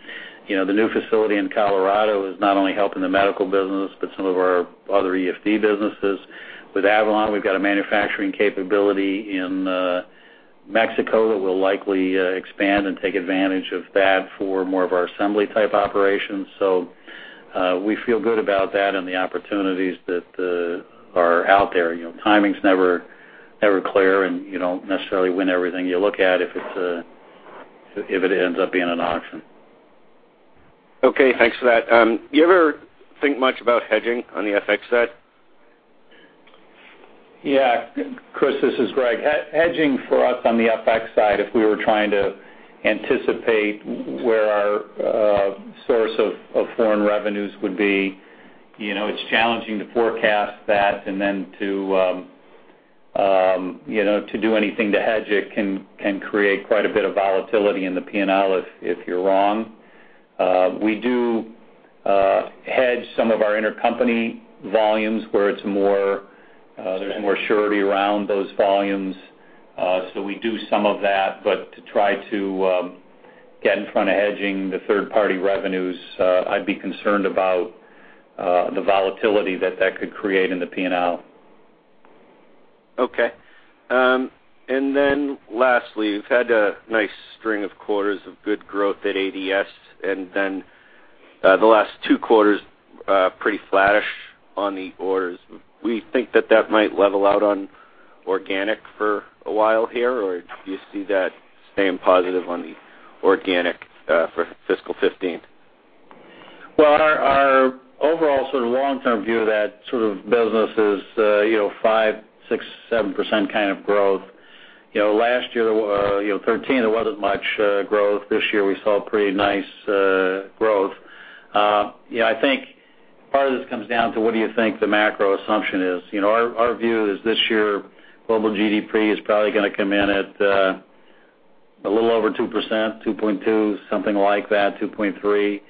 You know, the new facility in Colorado is not only helping the medical business, but some of our other EFD businesses. With Avalon, we've got a manufacturing capability in Mexico that we'll likely expand and take advantage of that for more of our assembly type operations. We feel good about that and the opportunities that are out there. You know, timing's never clear, and you don't necessarily win everything you look at if it ends up being an auction. Okay. Thanks for that. Do you ever think much about hedging on the FX side? Yeah. Chris, this is Greg. Hedging for us on the FX side, if we were trying to anticipate where our source of foreign revenues would be, you know, it's challenging to forecast that and then to, you know, to do anything to hedge it can create quite a bit of volatility in the P&L if you're wrong. We do hedge some of our intercompany volumes where it's more, there's more surety around those volumes. So we do some of that. To try to get in front of hedging the third-party revenues, I'd be concerned about the volatility that that could create in the P&L. Okay. Lastly, you've had a nice string of quarters of good growth at ADS, and then. The last two quarters, pretty flattish on the orders. We think that might level out on organic for a while here, or do you see that staying positive on the organic, for fiscal 2015? Well, our overall sort of long-term view of that sort of business is, you know, 5%, 6%, 7% kind of growth. You know, last year, you know, 2013, there wasn't much growth. This year, we saw pretty nice growth. You know, I think part of this comes down to what do you think the macro assumption is? You know, our view is this year, global GDP is probably going to come in at a little over 2%, 2.2, something like that, 2.3.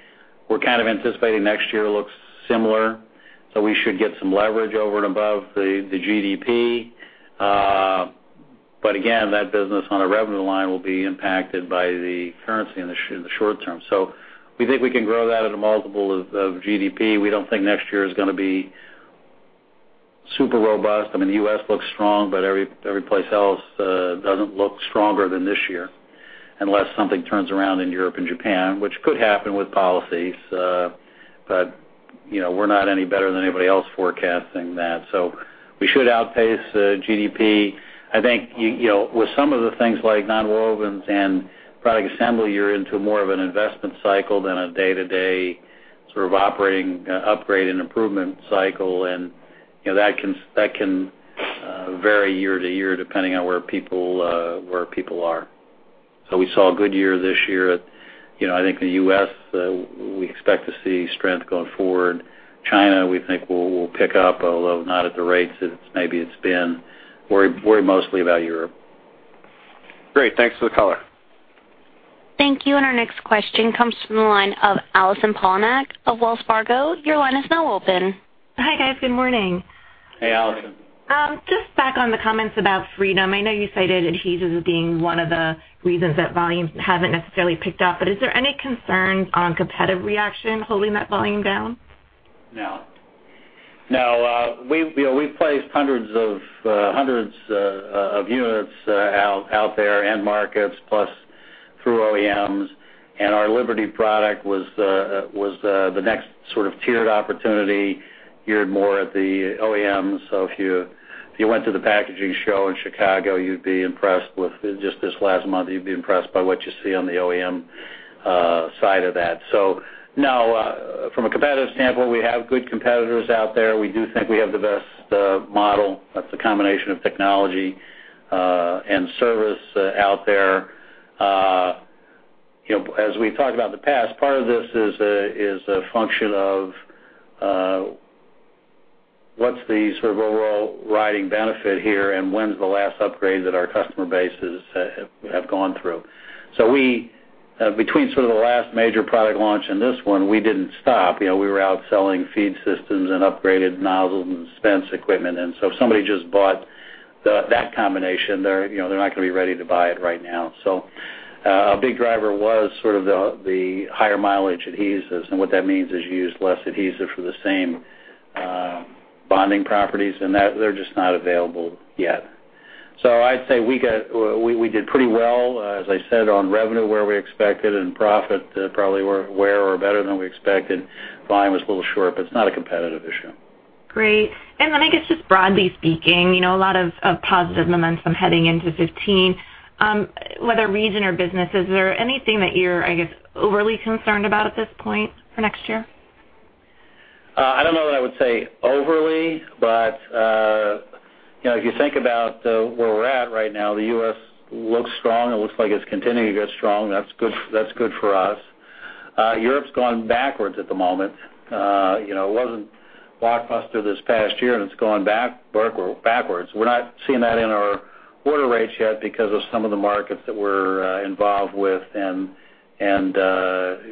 We're kind of anticipating next year looks similar, so we should get some leverage over and above the GDP. Again, that business on a revenue line will be impacted by the currency in the short term. We think we can grow that at a multiple of GDP. We don't think next year is going to be super robust. I mean, the U.S. looks strong, but every place else doesn't look stronger than this year unless something turns around in Europe and Japan, which could happen with policies. You know, we're not any better than anybody else forecasting that. We should outpace GDP. I think, you know, with some of the things like nonwovens and product assembly, you're into more of an investment cycle than a day-to-day sort of operating upgrade and improvement cycle. You know, that can vary year to year depending on where people are. We saw a good year this year. You know, I think the U.S. we expect to see strength going forward. China, we think will pick up, although not at the rates that maybe it's been. Worried mostly about Europe. Great. Thanks for the color. Thank you. Our next question comes from the line of Allison Poliniak-Cusic of Wells Fargo. Your line is now open. Hi, guys. Good morning. Hey, Allison. Just back on the comments about Freedom. I know you cited adhesives being one of the reasons that volumes haven't necessarily picked up, but is there any concern on competitive reaction holding that volume down? No, you know, we've placed hundreds of units out there, end markets, plus through OEMs. Our Liberty product was the next sort of tiered opportunity geared more at the OEMs. If you went to the packaging show in Chicago, you'd be impressed with just this last month. You'd be impressed by what you see on the OEM side of that. No, from a competitive standpoint, we have good competitors out there. We do think we have the best model. That's a combination of technology and service out there. You know, as we've talked about in the past, part of this is a function of what's the sort of overall overriding benefit here and when's the last upgrade that our customer bases have gone through. We between sort of the last major product launch and this one, we didn't stop. You know, we were out selling feed systems and upgraded nozzles and dispense equipment. If somebody just bought that combination, they're, you know, not going to be ready to buy it right now. A big driver was sort of the higher mileage adhesives, and what that means is you use less adhesive for the same bonding properties, and they're just not available yet. I'd say we did pretty well, as I said, on revenue, where we expected, and profit, probably where or better than we expected. Volume was a little short, but it's not a competitive issue. Great. Then I guess just broadly speaking, you know, a lot of of positive momentum heading into 2015. Whether region or business, is there anything that you're, I guess, overly concerned about at this point for next year? I don't know that I would say overly, but you know, if you think about where we're at right now, the U.S. looks strong. It looks like it's continuing to get strong. That's good, that's good for us. Europe's gone backwards at the moment. You know, it wasn't blockbuster this past year, and it's gone backwards. We're not seeing that in our order rates yet because of some of the markets that we're involved with and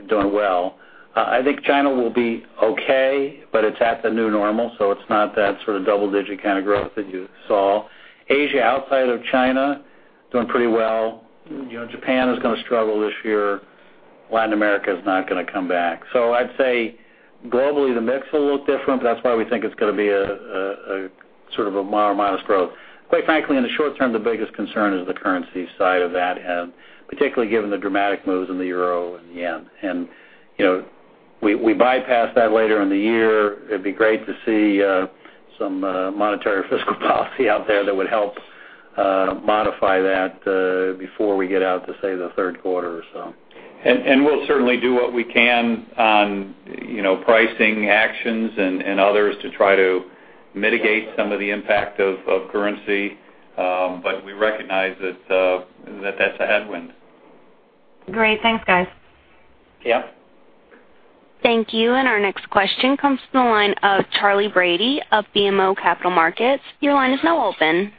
doing well. I think China will be okay, but it's at the new normal, so it's not that sort of double-digit kind of growth that you saw. Asia outside of China, doing pretty well. You know, Japan is going to struggle this year. Latin America is not going to come back. I'd say globally, the mix will look different, but that's why we think it's going to be a sort of mild, modest growth. Quite frankly, in the short term, the biggest concern is the currency side of that, and particularly given the dramatic moves in the euro and the yen. You know, we'll be past that later in the year. It'd be great to see some monetary and fiscal policy out there that would help modify that before we get out to, say, the Q3 or so. We'll certainly do what we can on, you know, pricing actions and others to try to mitigate some of the impact of currency. But we recognize that that's a headwind. Great. Thanks, guys. Yeah. Thank you. Our next question comes from the line of Charley Brady of BMO Capital Markets. Your line is now open.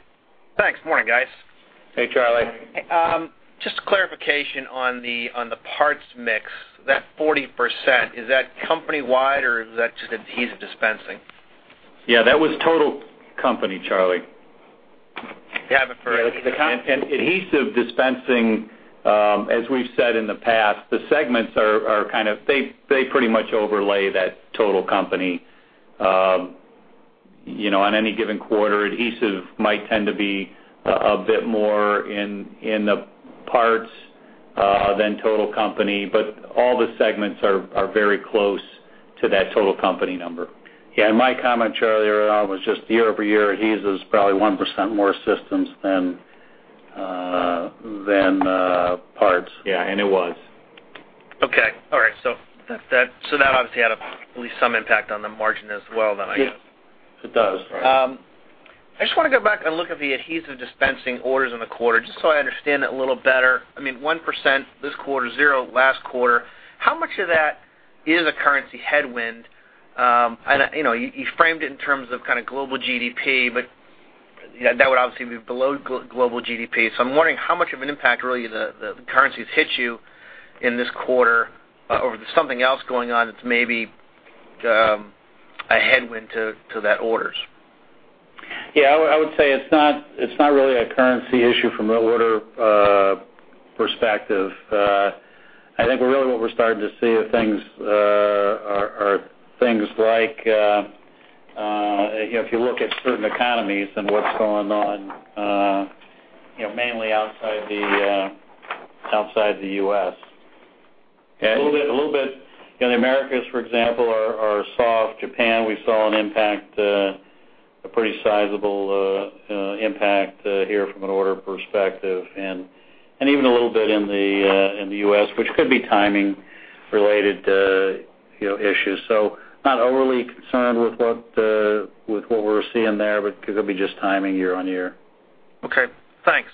Thanks. Morning, guys. Hey, Charley. Just clarification on the parts mix. That 40%, is that company-wide or is that just adhesive dispensing? Yeah, that was total company, Charley. Have it for- Adhesive dispensing, as we've said in the past, the segments are kind of they pretty much overlay that total company. You know, on any given quarter, adhesive might tend to be a bit more in the parts than total company, but all the segments are very close to that total company number. Yeah. My commentary earlier on was just year-over-year adhesives probably 1% more systems than parts. Yeah. It was. That obviously had at least some impact on the margin as well then, I guess. It does. Right. I just want to go back and look at the Adhesive Dispensing orders in the quarter, just so I understand it a little better. I mean, 1% this quarter, 0% last quarter. How much of that is a currency headwind? I know, you know, you framed it in terms of kind of global GDP, but, you know, that would obviously be below global GDP. I'm wondering how much of an impact really the currencies hit you in this quarter or there's something else going on that's maybe a headwind to that orders. Yeah, I would say it's not really a currency issue from an order perspective. I think what we're starting to see are things like, you know, if you look at certain economies and what's going on, you know, mainly outside the U.S. Yeah. A little bit. You know, the Americas, for example, are soft. Japan, we saw a pretty sizable impact here from an order perspective. Even a little bit in the U.S., which could be timing-related, you know, issues. Not overly concerned with what we're seeing there, but could be just timing year-on-year. Okay. Thanks.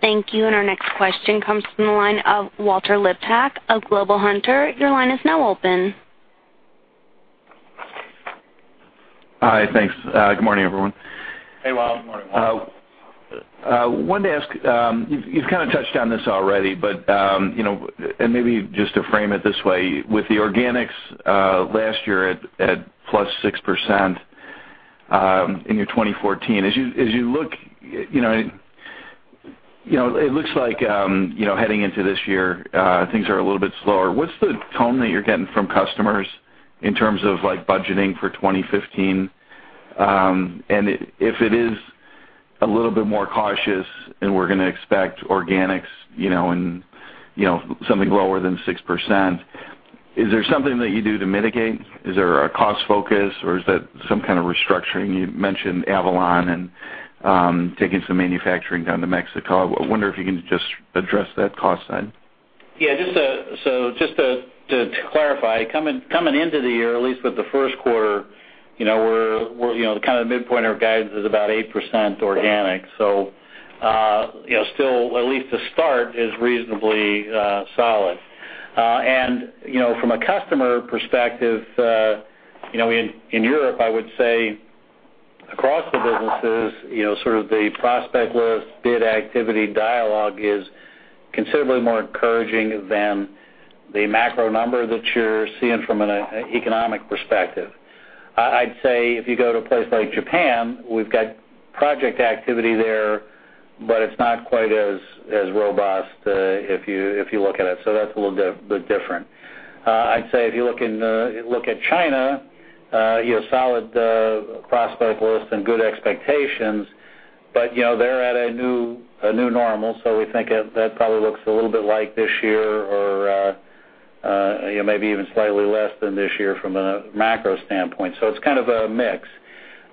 Thank you. Our next question comes from the line of Walter Liptak of Global Hunter Securities. Your line is now open. Hi. Thanks. Good morning, everyone. Hey, Walter. Good morning, Walter. I wanted to ask, you've kind of touched on this already, but you know, and maybe just to frame it this way, with the organics last year at plus 6% in your 2014, as you look, you know, it looks like, you know, heading into this year, things are a little bit slower. What's the tone that you're getting from customers in terms of, like, budgeting for 2015? And if it is a little bit more cautious and we're going to expect organics, you know, and, you know, something lower than 6%, is there something that you do to mitigate? Is there a cost focus or is that some kind of restructuring? You mentioned Avalon and taking some manufacturing down to Mexico. I wonder if you can just address that cost side. Yeah. Just to clarify, coming into the year, at least with the Q1, you know, the kind of midpoint of our guidance is about 8% organic. You know, still, at least the start is reasonably solid. You know, from a customer perspective, you know, in Europe, I would say across the businesses, you know, sort of the prospect list, bid activity dialogue is considerably more encouraging than the macro number that you're seeing from an economic perspective. I'd say if you go to a place like Japan, we've got project activity there, but it's not quite as robust if you look at it. That's a little bit different. I'd say if you look at China, you have solid prospect list and good expectations, but, you know, they're at a new normal. We think that probably looks a little bit like this year or, you know, maybe even slightly less than this year from a macro standpoint. It's kind of a mix.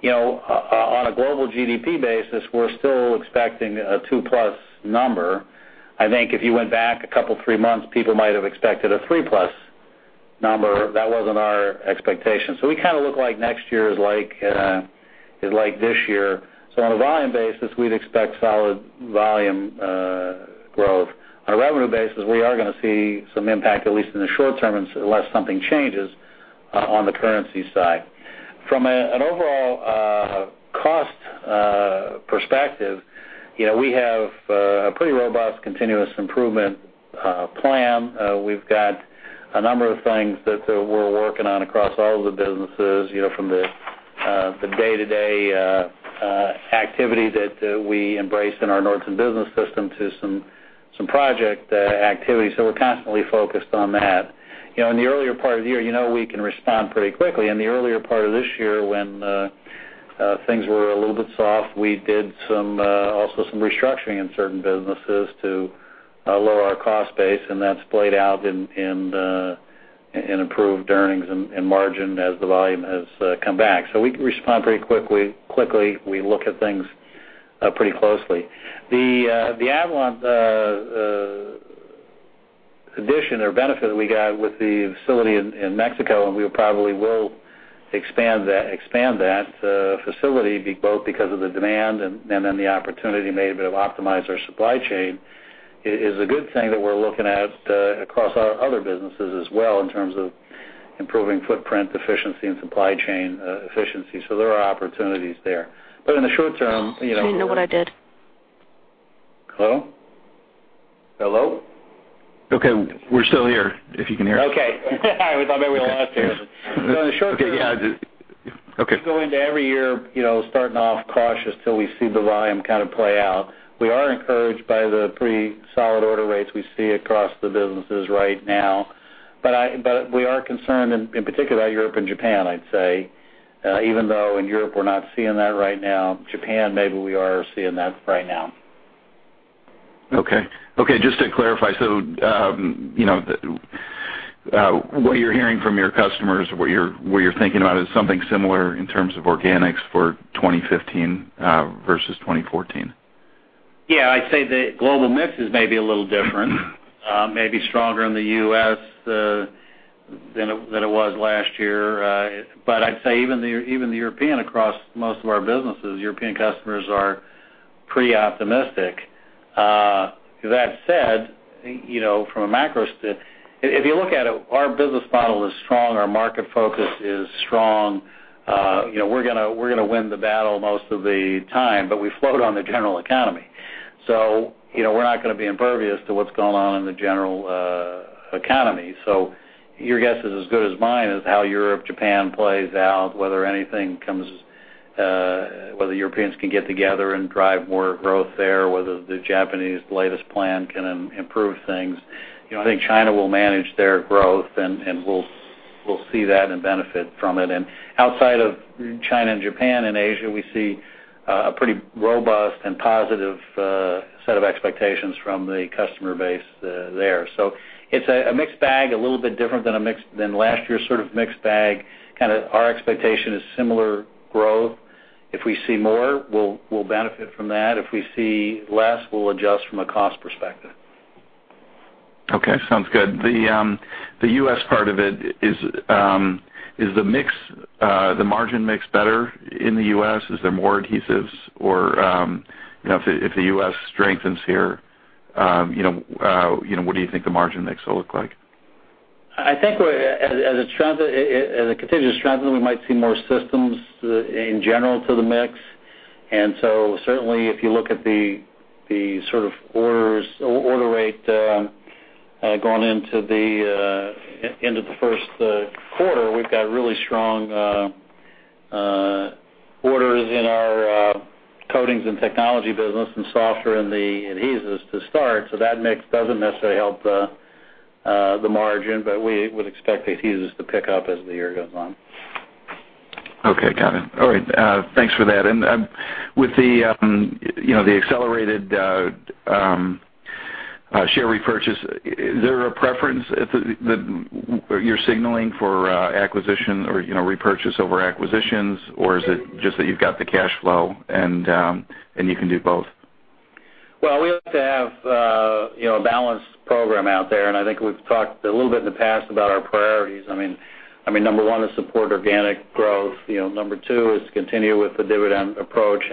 You know, on a global GDP basis, we're still expecting a two plus number. I think if you went back a couple, three months, people might have expected a three plus number. That wasn't our expectation. We kind of look like next year is like this year. On a volume basis, we'd expect solid volume growth. On a revenue basis, we are going to see some impact, at least in the short term, unless something changes on the currency side. From an overall cost perspective, you know, we have a pretty robust continuous improvement plan. We've got a number of things that we're working on across all the businesses, you know, from the day-to-day activity that we embrace in our Nordson Business System to some project activity. We're constantly focused on that. You know, in the earlier part of the year, you know, we can respond pretty quickly. In the earlier part of this year when things were a little bit soft, we also did some restructuring in certain businesses to lower our cost base, and that's played out in improved earnings and margin as the volume has come back. So we can respond pretty quickly. We look at things pretty closely. The Avalon addition or benefit we got with the facility in Mexico, and we probably will expand that facility by both because of the demand and then the opportunity maybe to optimize our supply chain is a good thing that we're looking at across our other businesses as well in terms of improving footprint efficiency and supply chain efficiency. There are opportunities there. In the short term, you know. I didn't know what I did. Hello? Hello? Okay. We're still here, if you can hear us. Okay. I was wondering if we were lost here. In the short term. Okay. Yeah. We go into every year, you know, starting off cautious till we see the volume kind of play out. We are encouraged by the pretty solid order rates we see across the businesses right now. We are concerned in particular Europe and Japan, I'd say, even though in Europe we're not seeing that right now, Japan, maybe we are seeing that right now. Okay, just to clarify. You know, the what you're hearing from your customers, what you're thinking about is something similar in terms of organics for 2015 versus 2014. Yeah, I'd say the global mix is maybe a little different, maybe stronger in the US than it was last year. But I'd say even the European across most of our businesses, European customers are pretty optimistic. That said, you know, from a macro standpoint if you look at it, our business model is strong, our market focus is strong. You know, we're going to win the battle most of the time, but we float on the general economy. So, you know, we're not going to be impervious to what's going on in the general economy. So your guess is as good as mine as to how Europe, Japan plays out, whether anything comes, whether Europeans can get together and drive more growth there, whether the Japanese latest plan can improve things. You know, I think China will manage their growth, and we'll see that and benefit from it. Outside of China and Japan and Asia, we see a pretty robust and positive set of expectations from the customer base there. It's a mixed bag, a little bit different than last year's sort of mixed bag. Kind of our expectation is similar growth. If we see more, we'll benefit from that. If we see less, we'll adjust from a cost perspective. Okay. Sounds good. The U.S. part of it is the mix, the margin mix better in the U.S.? Is there more adhesives or, you know, if the U.S. strengthens here, you know, what do you think the margin mix will look like? I think as it continues to strengthen, we might see more systems in general to the mix. Certainly if you look at the sort of order rate going into the Q1, we've got really strong orders in our coatings and technology business and softer in the adhesives to start. That mix doesn't necessarily help the margin, but we would expect adhesives to pick up as the year goes on. Okay. Got it. All right. Thanks for that. With the, you know, the accelerated share repurchase, is there a preference that you're signaling for acquisition or, you know, repurchase over acquisitions? Or is it just that you've got the cash flow and you can do both? Well, we like to have, you know, a balanced program out there, and I think we've talked a little bit in the past about our priorities. I mean, number one is supporting organic growth. You know, number two is to continue with the dividend approach.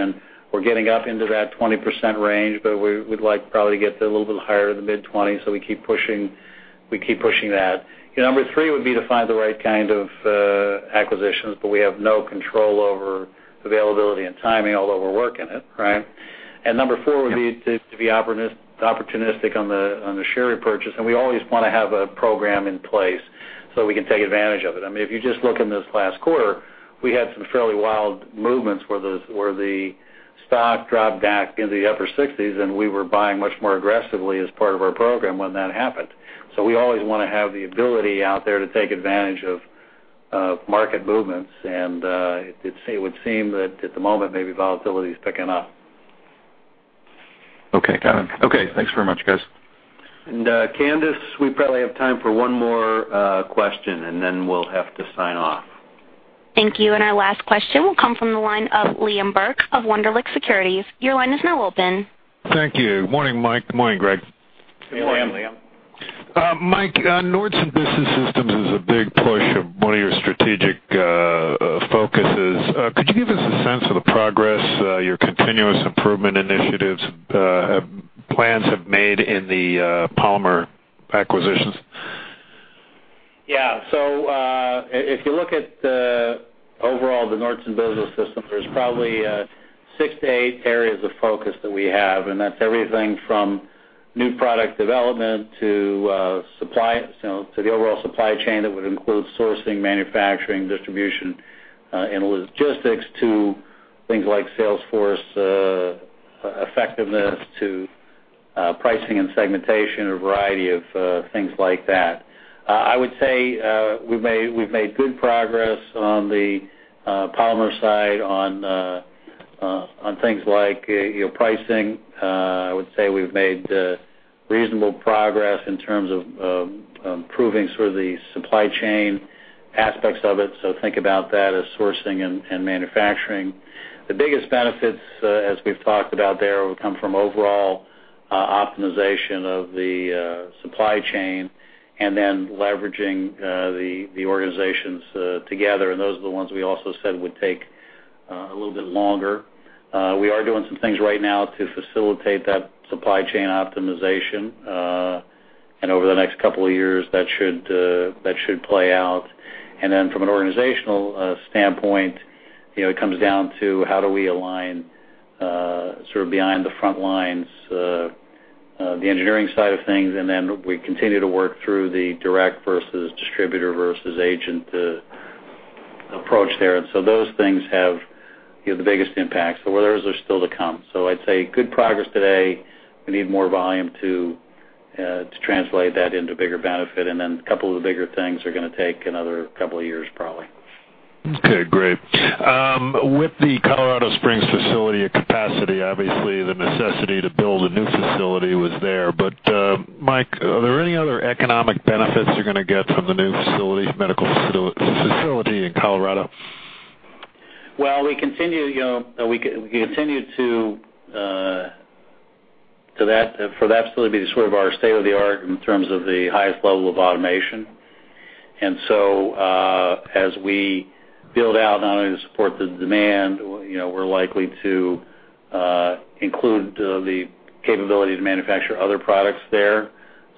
We're getting up into that 20% range, but we'd like probably to get a little bit higher in the mid-20s. We keep pushing that. Number three would be to find the right kind of acquisitions, but we have no control over availability and timing, although we're working it, right? Number four, would be to be opportunistic on the share repurchase. We always want to have a program in place so we can take advantage of it. I mean, if you just look in this last quarter, we had some fairly wild movements where the stock dropped back into the upper sixties, and we were buying much more aggressively as part of our program when that happened. We always want to have the ability out there to take advantage of market movements. It would seem that at the moment, maybe volatility is picking up. Okay. Got it. Okay. Thanks very much, guys. Candice, we probably have time for one more question, and then we'll have to sign off. Thank you. Our last question will come from the line of Liam Burke of Wunderlich Securities. Your line is now open. Thank you. Morning, Mike. Good morning, Greg. Good morning, Liam. Mike, Nordson Business System is a big push of one of your strategic focuses. Could you give us a sense of the progress your continuous improvement initiatives, plans have made in the polymer acquisitions? Yeah. If you look at, overall, the Nordson Business System, there's probably six to eight areas of focus that we have, and that's everything from new product development to supply, you know, to the overall supply chain that would include sourcing, manufacturing, distribution, and logistics to things like sales force effectiveness to pricing and segmentation, a variety of things like that. I would say we've made good progress on the polymer side on things like, you know, pricing. I would say we've made reasonable progress in terms of improving sort of the supply chain aspects of it, so think about that as sourcing and manufacturing. The biggest benefits, as we've talked about there, will come from overall, optimization of the, supply chain and then leveraging, the organizations, together. Those are the ones we also said would take, a little bit longer. We are doing some things right now to facilitate that supply chain optimization. Over the next couple of years, that should play out. Then from an organizational, standpoint, you know, it comes down to how do we align, sort of behind the front lines, the engineering side of things, and then we continue to work through the direct versus distributor versus agent, approach there. Those things have, you know, the biggest impacts. Those are still to come. I'd say good progress today. We need more volume to translate that into bigger benefit. A couple of the bigger things are going to take another couple of years, probably. Okay, great. With the Colorado Springs facility at capacity, obviously, the necessity to build a new facility was there. Mike, are there any other economic benefits you're going to get from the new facility, medical facility in Colorado? Well, we continue, you know. We continue for that facility to be sort of our state-of-the-art in terms of the highest level of automation. As we build out, not only to support the demand, you know, we're likely to include the capability to manufacture other products there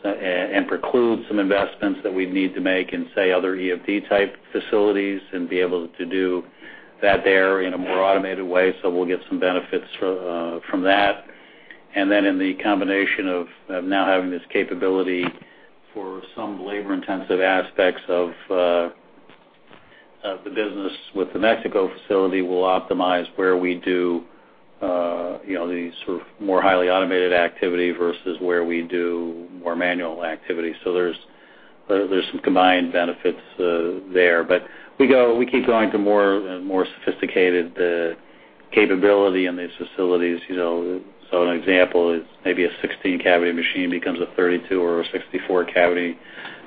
and preclude some investments that we'd need to make in, say, other EFD type facilities and be able to do that there in a more automated way. We'll get some benefits from that. In the combination of now having this capability for some labor-intensive aspects of the business with the Mexico facility, we'll optimize where we do, you know, the sort of more highly automated activity versus where we do more manual activity. There's some combined benefits there. We keep going to more and more sophisticated capability in these facilities, you know. An example is maybe a 16-cavity machine becomes a 32- or a 64-cavity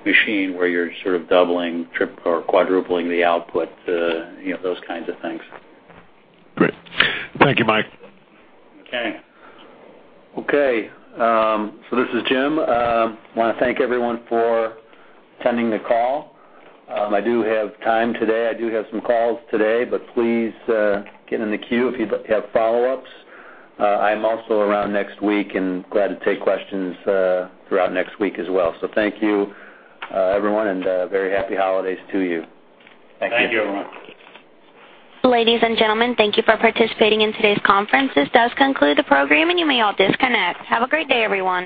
machine where you're sort of doubling or quadrupling the output, you know, those kinds of things. Great. Thank you, Mike. Okay. This is Jim. I want to thank everyone for attending the call. I do have time today. I do have some calls today, but please get in the queue if you'd like to have follow-ups. I'm also around next week and glad to take questions throughout next week as well. Thank you, everyone, and very happy holidays to you. Thank you. Thank you, everyone. Ladies and gentlemen, thank you for participating in today's conference. This does conclude the program, and you may all disconnect. Have a great day, everyone.